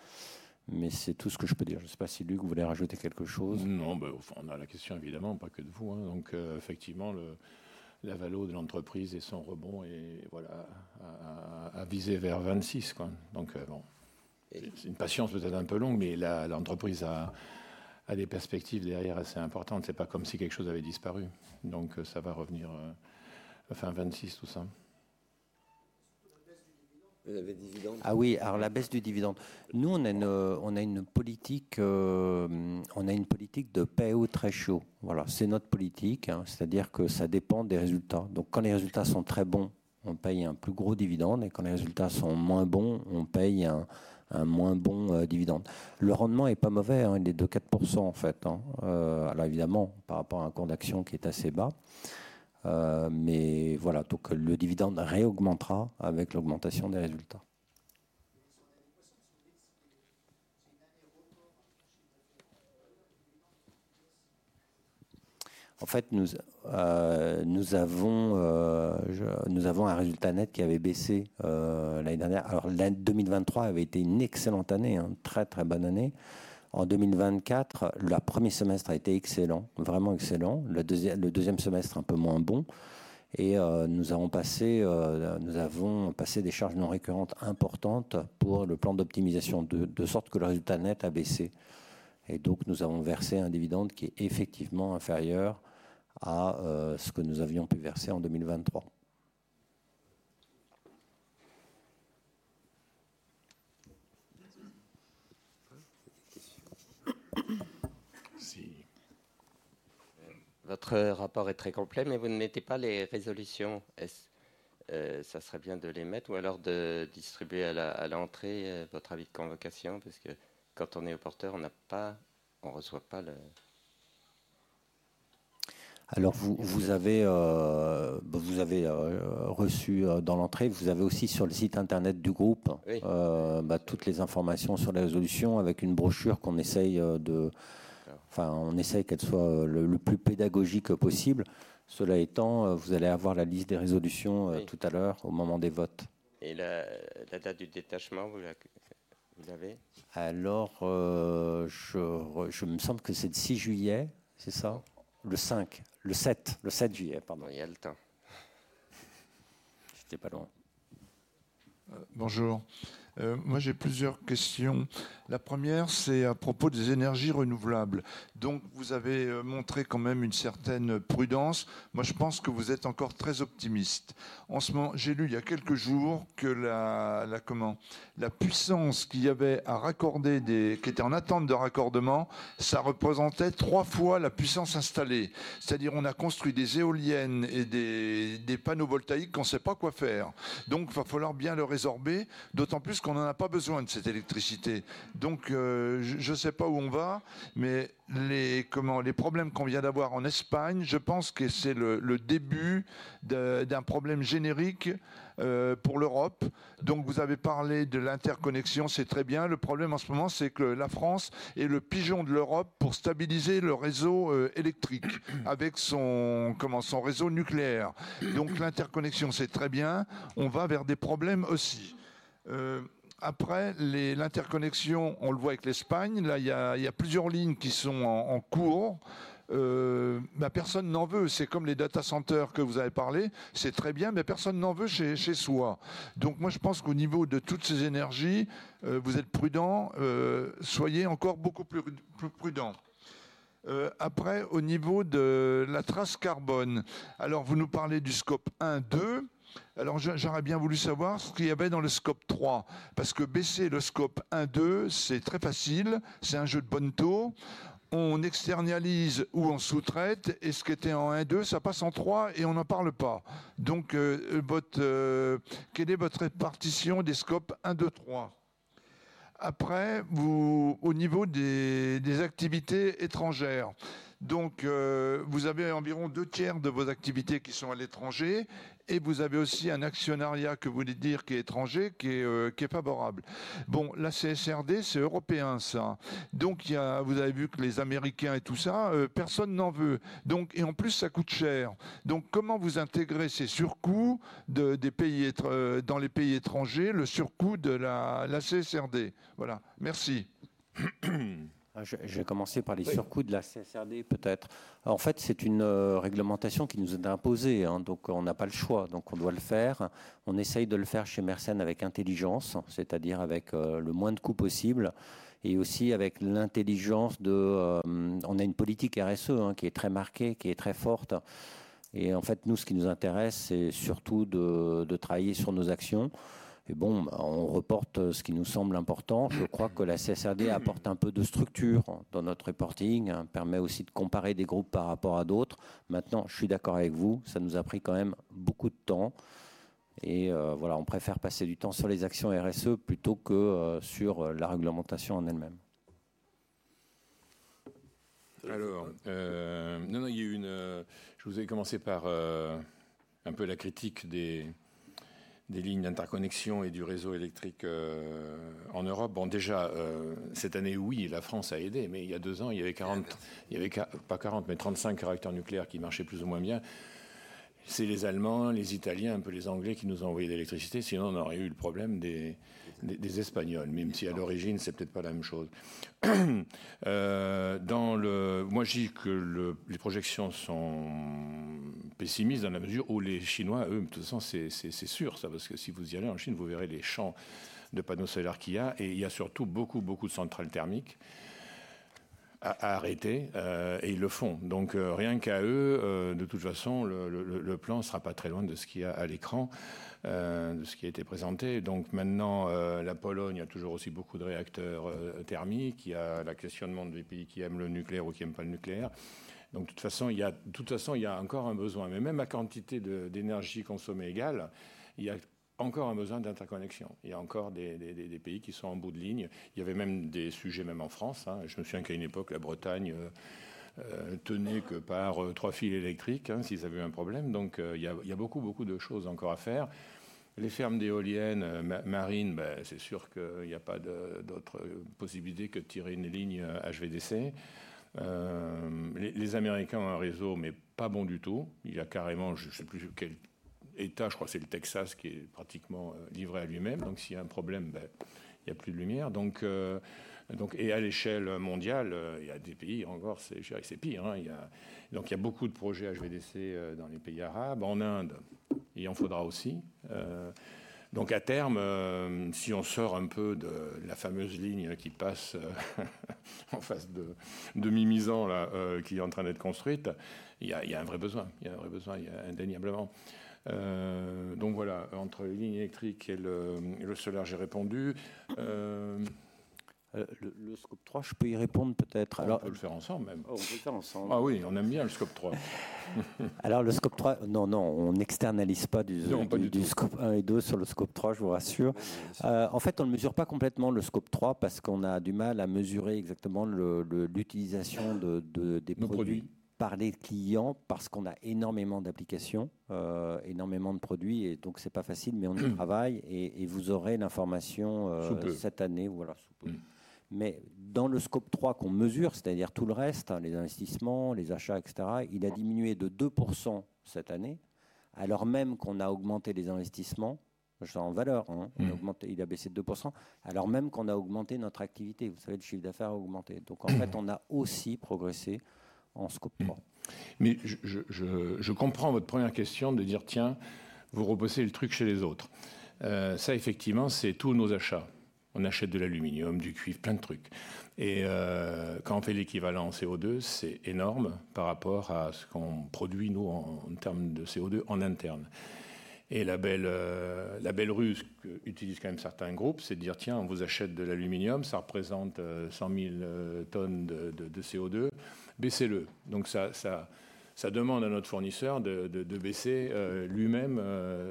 mais c'est tout ce que je peux dire. Je ne sais pas si Luc, vous voulez rajouter quelque chose? Non, mais enfin, on a la question, évidemment, pas que de vous. Donc, effectivement, la valorisation de l'entreprise et son rebond, et voilà, à viser vers 2026. Donc, bon, c'est une patience peut-être un peu longue, mais l'entreprise a des perspectives derrière assez importantes. Ce n'est pas comme si quelque chose avait disparu. Donc, ça va revenir vers 26, tout ça. Vous avez le dividende? Oui, alors la baisse du dividende. Nous, on a une politique de paiement très chaude. Voilà, c'est notre politique. C'est-à-dire que ça dépend des résultats. Donc, quand les résultats sont très bons, on paie un plus gros dividende. Et quand les résultats sont moins bons, on paie un moins bon dividende. Le rendement n'est pas mauvais, il est de 2,4%, en fait. Alors, évidemment, par rapport à un cours d'action qui est assez bas. Mais voilà, donc le dividende réaugmentera avec l'augmentation des résultats. Sur la progression, si vous voulez, c'est une année record en chiffre d'affaires. En fait, nous avons un résultat net qui avait baissé l'année dernière. Alors, l'année 2023 avait été une excellente année, une très, très bonne année. En 2024, le premier semestre a été excellent, vraiment excellent. Le deuxième semestre, un peu moins bon. Nous avons passé des charges non récurrentes importantes pour le plan d'optimisation, de sorte que le résultat net a baissé. Donc, nous avons versé un dividende qui est effectivement inférieur à ce que nous avions pu verser en 2023. Votre rapport est très complet, mais vous ne mettez pas les résolutions. Ça serait bien de les mettre ou alors de distribuer à l'entrée votre avis de convocation, parce que quand on est au porteur, on n'a pas, on ne reçoit pas le... Alors, vous avez reçu dans l'entrée, vous avez aussi sur le site internet du groupe, toutes les informations sur les résolutions avec une brochure qu'on essaye de... On essaye qu'elle soit le plus pédagogique possible. Cela étant, vous allez avoir la liste des résolutions tout à l'heure, au moment des votes. Et la date du détachement, vous l'avez? Alors, il me semble que c'est le 6 juillet, c'est ça? Le 5, le 7, le 7 juillet. Pardon, il y a le temps. Je n'étais pas loin. Bonjour. Moi, j'ai plusieurs questions. La première, c'est à propos des énergies renouvelables. Donc, vous avez montré quand même une certaine prudence. Moi, je pense que vous êtes encore très optimiste. En ce moment, j'ai lu il y a quelques jours que la puissance qu'il y avait à raccorder, qui était en attente de raccordement, ça représentait trois fois la puissance installée. C'est-à-dire qu'on a construit des éoliennes et des panneaux photovoltaïques qu'on ne sait pas quoi faire. Donc, il va falloir bien le résorber, d'autant plus qu'on n'en a pas besoin de cette électricité. Donc, je ne sais pas où on va, mais les problèmes qu'on vient d'avoir en Espagne, je pense que c'est le début d'un problème générique pour l'Europe. Donc, vous avez parlé de l'interconnexion, c'est très bien. Le problème en ce moment, c'est que la France est le pigeon de l'Europe pour stabiliser le réseau électrique avec son réseau nucléaire. Donc, l'interconnexion, c'est très bien. On va vers des problèmes aussi. Après, l'interconnexion, on le voit avec l'Espagne, là, il y a plusieurs lignes qui sont en cours. Personne n'en veut. C'est comme les data centers dont vous avez parlé. C'est très bien, mais personne n'en veut chez soi. Donc, moi, je pense qu'au niveau de toutes ces énergies, vous êtes prudents. Soyez encore beaucoup plus prudents. Après, au niveau de la trace carbone, alors vous nous parlez du scope 1, 2. Alors, j'aurais bien voulu savoir ce qu'il y avait dans le scope 3. Parce que baisser le scope 1, 2, c'est très facile. C'est un jeu de bonneteau. On externalise ou on sous-traite. Et ce qui était en 1, 2, ça passe en 3 et on n'en parle pas. Donc, quelle est votre répartition des scopes 1, 2, 3? Après, au niveau des activités étrangères, donc vous avez environ deux tiers de vos activités qui sont à l'étranger et vous avez aussi un actionnariat que vous voulez dire qui est étranger, qui est favorable. Bon, la CSRD, c'est européen, ça. Donc, vous avez vu que les Américains et tout ça, personne n'en veut. Donc, et en plus, ça coûte cher. Donc, comment vous intégrez ces surcoûts des pays dans les pays étrangers, le surcoût de la CSRD? Voilà, merci. Je vais commencer par les surcoûts de la CSRD, peut-être. En fait, c'est une réglementation qui nous est imposée. Donc, on n'a pas le choix, donc on doit le faire. On essaie de le faire chez Mersen avec intelligence, c'est-à-dire avec le moins de coûts possibles et aussi avec l'intelligence de... On a une politique RSE qui est très marquée, qui est très forte. Et en fait, nous, ce qui nous intéresse, c'est surtout de travailler sur nos actions. Et bon, on reporte ce qui nous semble important. Je crois que la CSRD apporte un peu de structure dans notre reporting, permet aussi de comparer des groupes par rapport à d'autres. Maintenant, je suis d'accord avec vous, ça nous a pris quand même beaucoup de temps. Et voilà, on préfère passer du temps sur les actions RSE plutôt que sur la réglementation en elle-même. Alors, non, non, il y a eu une... Je vous avais commencé par un peu la critique des lignes d'interconnexion et du réseau électrique en Europe. Bon, déjà, cette année, oui, la France a aidé, mais il y a deux ans, il y avait 40, pas 40, mais 35 réacteurs nucléaires qui marchaient plus ou moins bien. C'est les Allemands, les Italiens, un peu les Anglais qui nous ont envoyé de l'électricité. Sinon, on aurait eu le problème des Espagnols, même si à l'origine, ce n'est peut-être pas la même chose. Moi, je dis que les projections sont pessimistes dans la mesure où les Chinois, eux, de toute façon, c'est sûr ça, parce que si vous y allez en Chine, vous verrez les champs de panneaux solaires qu'il y a. Il y a surtout beaucoup, beaucoup de centrales thermiques à arrêter. Ils le font. Donc, rien qu'à eux, de toute façon, le plan ne sera pas très loin de ce qu'il y a à l'écran, de ce qui a été présenté. Maintenant, la Pologne a toujours aussi beaucoup de réacteurs thermiques. Il y a le questionnement du pays qui aime le nucléaire ou qui n'aime pas le nucléaire. De toute façon, il y a encore un besoin. Mais même la quantité d'énergie consommée égale, il y a encore un besoin d'interconnexion. Il y a encore des pays qui sont en bout de ligne. Il y avait même des sujets, même en France. Je me souviens qu'à une époque, la Bretagne ne tenait que par trois fils électriques s'ils avaient eu un problème. Il y a beaucoup, beaucoup de choses encore à faire. Les fermes d'éoliennes marines, c'est sûr qu'il n'y a pas d'autre possibilité que de tirer une ligne HVDC. Les Américains ont un réseau, mais pas bon du tout. Il y a carrément, je ne sais plus quel état, je crois que c'est le Texas qui est pratiquement livré à lui-même. Donc, s'il y a un problème, il n'y a plus de lumière. Et à l'échelle mondiale, il y a des pays encore, c'est pire. Il y a beaucoup de projets HVDC dans les pays arabes. En Inde, il en faudra aussi. À terme, si on sort un peu de la fameuse ligne qui passe en face de Mimizan, qui est en train d'être construite, il y a un vrai besoin. Il y a un vrai besoin, indéniablement. Voilà, entre les lignes électriques et le solaire, j'ai répondu. Le scope 3, je peux y répondre peut-être. On peut le faire ensemble même. On peut le faire ensemble. Oui, on aime bien le scope 3. Alors, le scope 3, non, non, on n'externalise pas du scope 1 et 2 sur le scope 3, je vous rassure. En fait, on ne le mesure pas complètement, le scope 3, parce qu'on a du mal à mesurer exactement l'utilisation des produits par les clients, parce qu'on a énormément d'applications, énormément de produits. Ce n'est pas facile, mais on y travaille. Vous aurez l'information cette année. Mais dans le scope 3 qu'on mesure, c'est-à-dire tout le reste, les investissements, les achats, etc., il a diminué de 2% cette année, alors même qu'on a augmenté les investissements. Je parle en valeur, il a baissé de 2%, alors même qu'on a augmenté notre activité. Vous savez, le chiffre d'affaires a augmenté. Donc, en fait, on a aussi progressé en scope 3. Mais je comprends votre première question de dire: « Tiens, vous reposez le truc chez les autres. » Ça, effectivement, c'est tous nos achats. On achète de l'aluminium, du cuivre, plein de trucs. Et quand on fait l'équivalent CO2, c'est énorme par rapport à ce qu'on produit, nous, en termes de CO2 en interne. Et la belle ruse qu'utilisent quand même certains groupes, c'est de dire: « Tiens, on vous achète de l'aluminium, ça représente 100 000 tonnes de CO2, baissez-le. » Donc, ça demande à notre fournisseur de baisser lui-même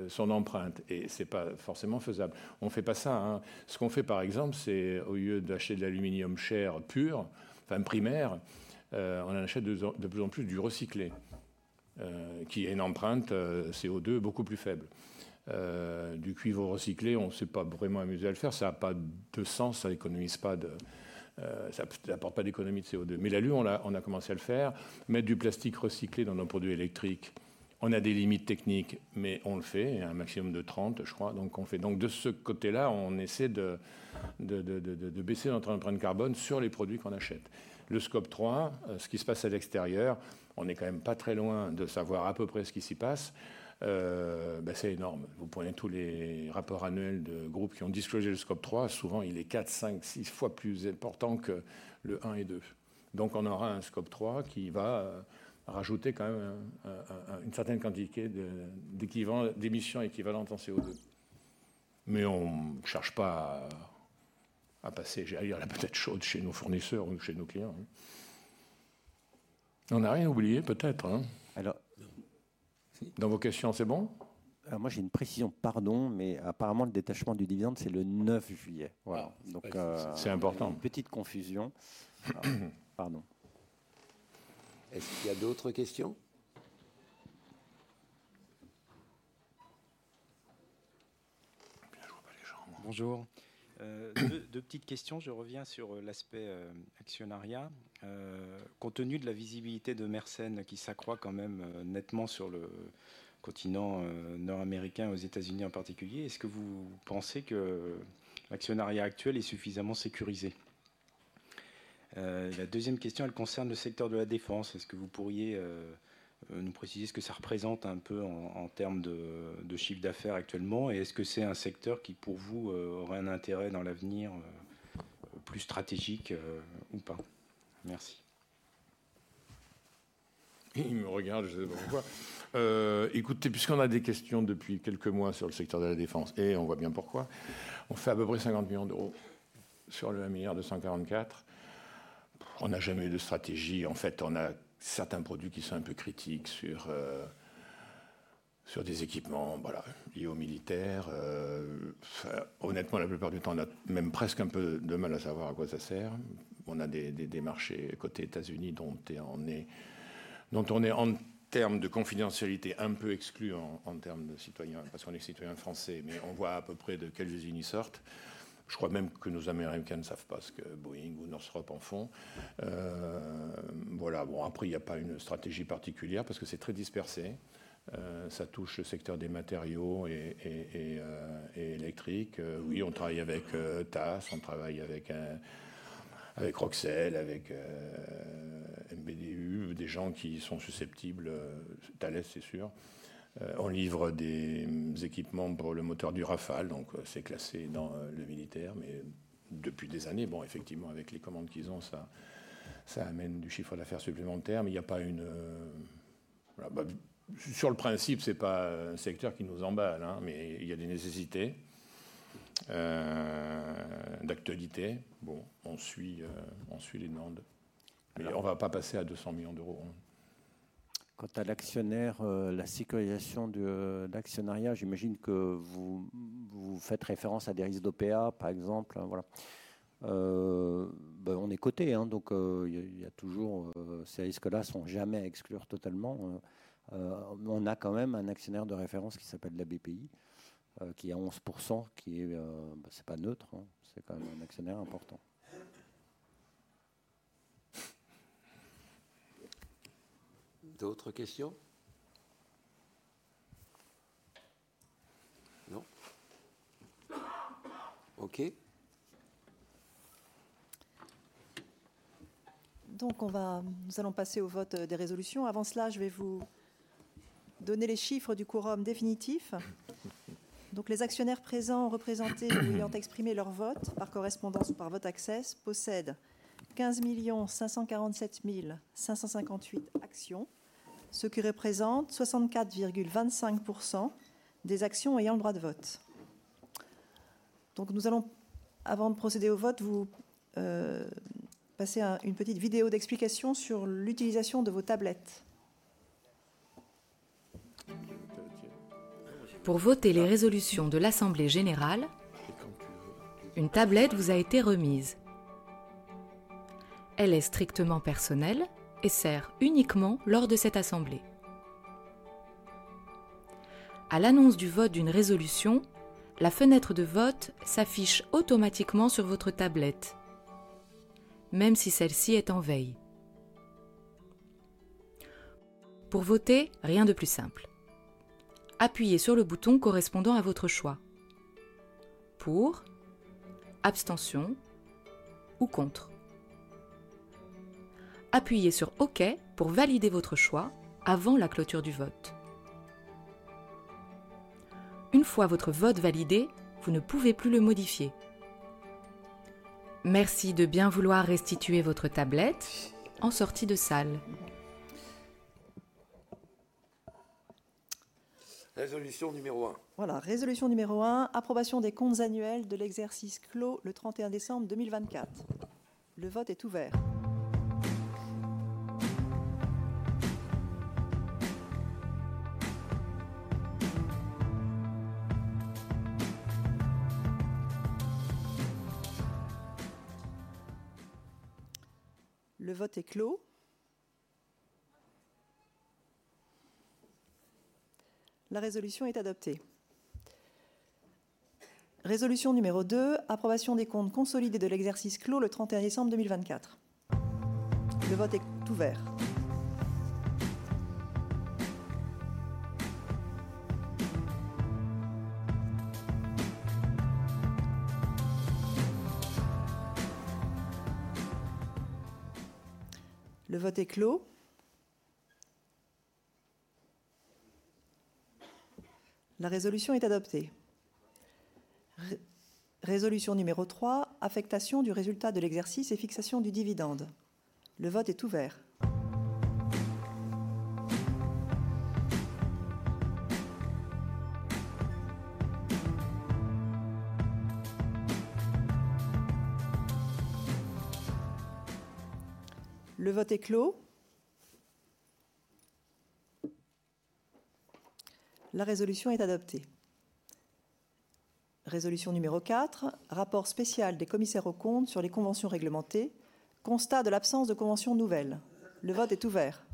son empreinte. Et ce n'est pas forcément faisable. On ne fait pas ça. Ce qu'on fait, par exemple, c'est au lieu d'acheter de l'aluminium cher, pur, enfin primaire, on en achète de plus en plus du recyclé, qui a une empreinte CO2 beaucoup plus faible. Du cuivre recyclé, on ne s'est pas vraiment amusé à le faire. Ça n'a pas de sens, ça n'économise pas, ça n'apporte pas d'économie de CO2. Mais là, lui, on a commencé à le faire. Mettre du plastique recyclé dans nos produits électriques, on a des limites techniques, mais on le fait, un maximum de 30%, je crois. Donc, on fait. Donc, de ce côté-là, on essaie de baisser notre empreinte carbone sur les produits qu'on achète. Le scope 3, ce qui se passe à l'extérieur, on n'est quand même pas très loin de savoir à peu près ce qui s'y passe. C'est énorme. Vous prenez tous les rapports annuels de groupes qui ont divulgué le scope 3, souvent, il est 4, 5, 6 fois plus important que le 1 et 2. Donc, on aura un scope 3 qui va rajouter quand même une certaine quantité d'émissions équivalentes en CO2. Mais on ne cherche pas à passer à la patate chaude chez nos fournisseurs ou chez nos clients. On n'a rien oublié, peut-être. Alors, dans vos questions, c'est bon? Alors, moi, j'ai une précision, pardon, mais apparemment, le détachement du dividende, c'est le 9 juillet. Voilà. Donc, c'est important. Petite confusion. Pardon. Est-ce qu'il y a d'autres questions? Je ne vois pas les gens. Bonjour. Deux petites questions. Je reviens sur l'aspect actionnariat. Compte tenu de la visibilité de Mersen, qui s'accroît quand même nettement sur le continent nord-américain et aux États-Unis en particulier, est-ce que vous pensez que l'actionnariat actuel est suffisamment sécurisé? La deuxième question, elle concerne le secteur de la défense. Est-ce que vous pourriez nous préciser ce que ça représente un peu en termes de chiffre d'affaires actuellement? Et est-ce que c'est un secteur qui, pour vous, aurait un intérêt dans l'avenir plus stratégique ou pas? Merci. Il me regarde, je ne sais pas pourquoi. Écoutez, puisqu'on a des questions depuis quelques mois sur le secteur de la défense, et on voit bien pourquoi, on fait à peu près €50 millions sur le €1,244 milliard. On n'a jamais eu de stratégie. En fait, on a certains produits qui sont un peu critiques sur des équipements liés au militaire. Honnêtement, la plupart du temps, on a même presque un peu de mal à savoir à quoi ça sert. On a des marchés côté États-Unis dont on est, en termes de confidentialité, un peu exclus en termes de citoyens, parce qu'on est citoyens français, mais on voit à peu près de quels États-Unis ils sortent. Je crois même que nos Américains ne savent pas ce que Boeing ou Northrop en font. Voilà. Bon, après, il n'y a pas une stratégie particulière, parce que c'est très dispersé. Ça touche le secteur des matériaux et électriques. Oui, on travaille avec TAS, on travaille avec Roxel, avec MBDA, des gens qui sont susceptibles, Thales, c'est sûr. On livre des équipements pour le moteur du Rafale, donc c'est classé dans le militaire, mais depuis des années, effectivement, avec les commandes qu'ils ont, ça amène du chiffre d'affaires supplémentaire, mais il n'y a pas une... Sur le principe, ce n'est pas un secteur qui nous emballe, mais il y a des nécessités d'actualité. On suit les demandes, mais on ne va pas passer à 200 millions d'euros. Quant à l'actionnaire, la sécurisation de l'actionnariat, j'imagine que vous faites référence à des risques d'OPA, par exemple. On est coté, donc il y a toujours... Ces risques-là ne sont jamais à exclure totalement. On a quand même un actionnaire de référence qui s'appelle la BPI, qui est à 11%, qui n'est pas neutre. C'est quand même un actionnaire important. D'autres questions? Non? Okay. Donc, nous allons passer au vote des résolutions. Avant cela, je vais vous donner les chiffres du quorum définitif. Donc, les actionnaires présents ont représenté ou ont exprimé leur vote par correspondance ou par vote access, possèdent 15 547 558 actions, ce qui représente 64,25% des actions ayant le droit de vote. Donc, nous allons, avant de procéder au vote, vous passer une petite vidéo d'explication sur l'utilisation de vos tablettes. Pour voter les résolutions de l'assemblée générale, une tablette vous a été remise. Elle est strictement personnelle et sert uniquement lors de cette assemblée. À l'annonce du vote d'une résolution, la fenêtre de vote s'affiche automatiquement sur votre tablette, même si celle-ci est en veille. Pour voter, rien de plus simple. Appuyez sur le bouton correspondant à votre choix: pour, abstention ou contre. Appuyez sur « Ok » pour valider votre choix avant la clôture du vote. Une fois votre vote validé, vous ne pouvez plus le modifier. Merci de bien vouloir restituer votre tablette en sortie de salle. Résolution numéro 1. Voilà, résolution numéro 1, approbation des comptes annuels de l'exercice clos le 31 décembre 2024. Le vote est ouvert. Le vote est clos. La résolution est adoptée. Résolution numéro 2, approbation des comptes consolidés de l'exercice clos le 31 décembre 2024. Le vote est ouvert. Le vote est clos. La résolution est adoptée. Résolution numéro 3, affectation du résultat de l'exercice et fixation du dividende. Le vote est ouvert. Le vote est clos. La résolution est adoptée. Résolution numéro 4, rapport spécial des commissaires aux comptes sur les conventions réglementées, constat de l'absence de convention nouvelle. Le vote est ouvert.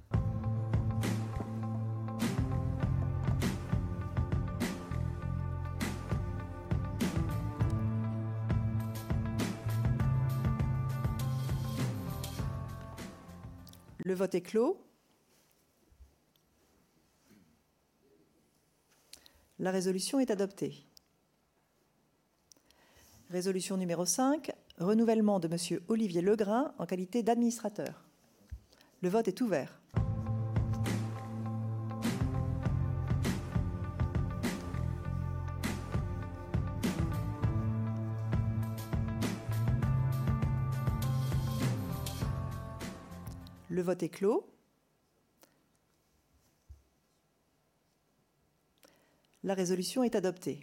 Le vote est clos. La résolution est adoptée. Résolution numéro 5, renouvellement de Monsieur Olivier Legrain en qualité d'Administrateur. Le vote est ouvert. Le vote est clos. La résolution est adoptée.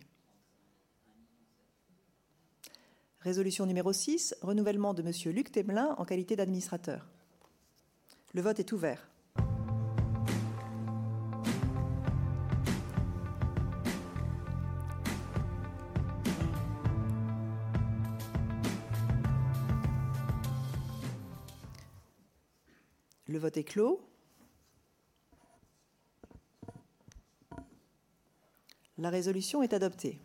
Résolution numéro 6, renouvellement de Monsieur Luc Témelin en qualité d'Administrateur. Le vote est ouvert. Le vote est clos. La résolution est adoptée.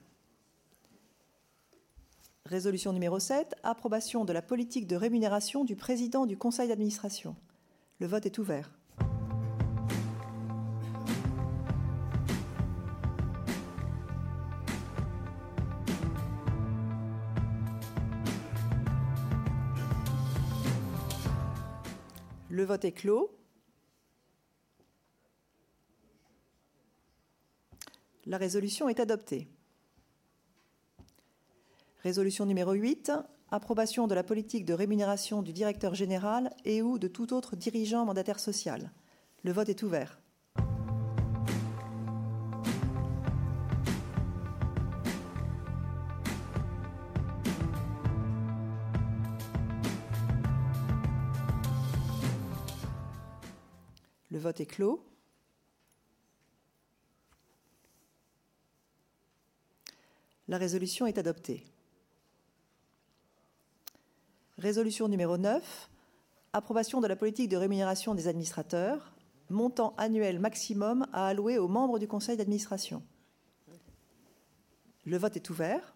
Résolution numéro 7, approbation de la politique de rémunération du Président du Conseil d'Administration. Le vote est ouvert. Le vote est clos. La résolution est adoptée. Résolution numéro 8, approbation de la politique de rémunération du Directeur Général et/ou de tout autre dirigeant mandataire social. Le vote est ouvert. Le vote est clos. La résolution est adoptée. Résolution numéro 9, approbation de la politique de rémunération des administrateurs, montant annuel maximum à allouer aux membres du conseil d'administration. Le vote est ouvert.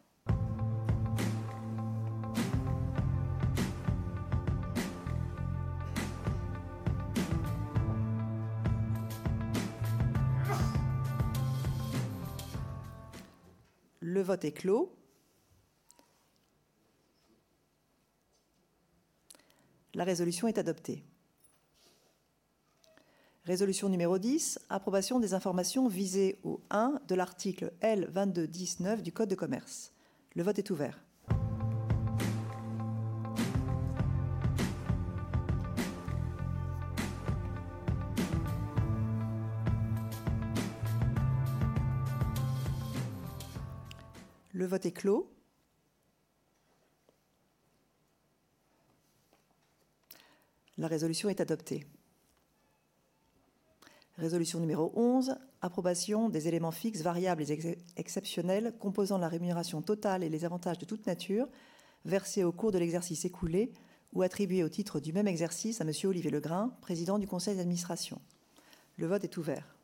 Le vote est clos. La résolution est adoptée. Résolution numéro 10, approbation des informations visées au 1 de l'article L221-9 du Code de commerce. Le vote est ouvert. Le vote est clos. La résolution est adoptée. Résolution numéro 11, approbation des éléments fixes, variables et exceptionnels composant la rémunération totale et les avantages de toute nature versés au cours de l'exercice écoulé ou attribués au titre du même exercice à Monsieur Olivier Legrain, Président du conseil d'administration. Le vote est ouvert.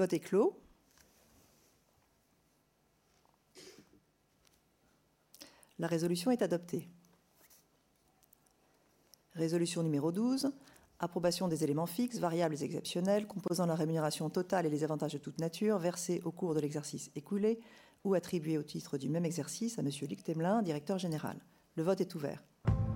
Le vote est clos. La résolution est adoptée. Résolution numéro 12, approbation des éléments fixes, variables et exceptionnels composant la rémunération totale et les avantages de toute nature versés au cours de l'exercice écoulé ou attribués au titre du même exercice à Monsieur Luc Témelin, Directeur Général. Le vote est ouvert. Le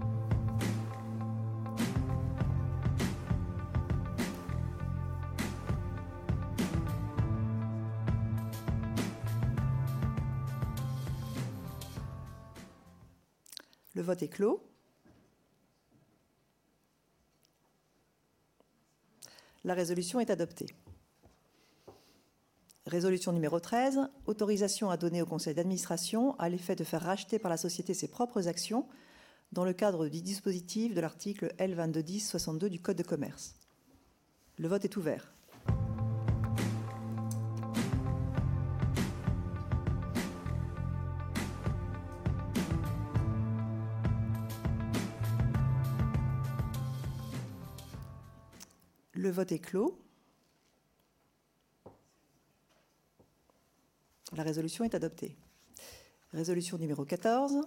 vote est clos. La résolution est adoptée. Résolution numéro 13, autorisation à donner au conseil d'administration à l'effet de faire racheter par la société ses propres actions dans le cadre du dispositif de l'article L.221-062 du Code de Commerce. Le vote est ouvert. Le vote est clos. La résolution est adoptée. Résolution numéro 14,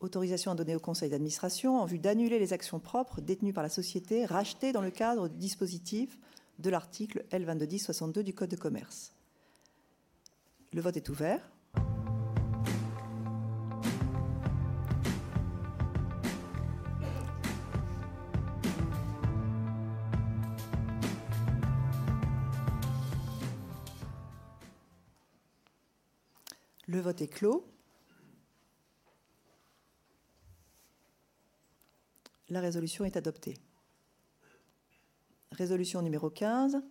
autorisation à donner au conseil d'administration en vue d'annuler les actions propres détenues par la société rachetées dans le cadre du dispositif de l'article L.221-062 du Code de Commerce. Le vote est ouvert. Le vote est clos. La résolution est adoptée. Résolution numéro 15,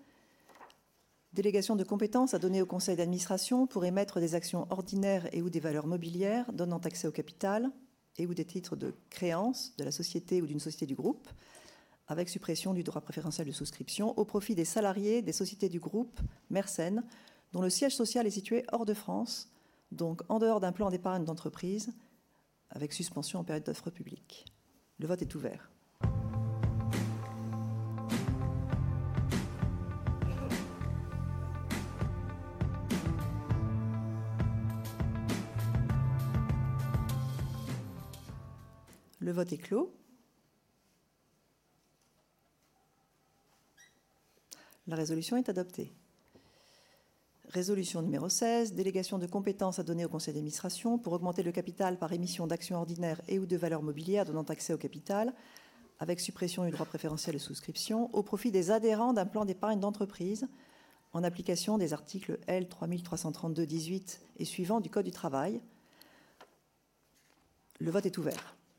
délégation de compétence à donner au conseil d'administration pour émettre des actions ordinaires et/ou des valeurs mobilières donnant accès au capital et/ou des titres de créance de la société ou d'une société du groupe, avec suppression du droit préférentiel de souscription au profit des salariés des sociétés du groupe Mersen, dont le siège social est situé hors de France, donc en dehors d'un plan d'épargne d'entreprise avec suspension en période d'offre publique. Le vote est ouvert. Le vote est clos. La résolution est adoptée. Résolution numéro 16, délégation de compétence à donner au conseil d'administration pour augmenter le capital par émission d'actions ordinaires et/ou de valeurs mobilières donnant accès au capital, avec suppression du droit préférentiel de souscription au profit des adhérents d'un plan d'épargne d'entreprise en application des articles L. 3332-18 et suivants du Code du travail. Le vote est ouvert.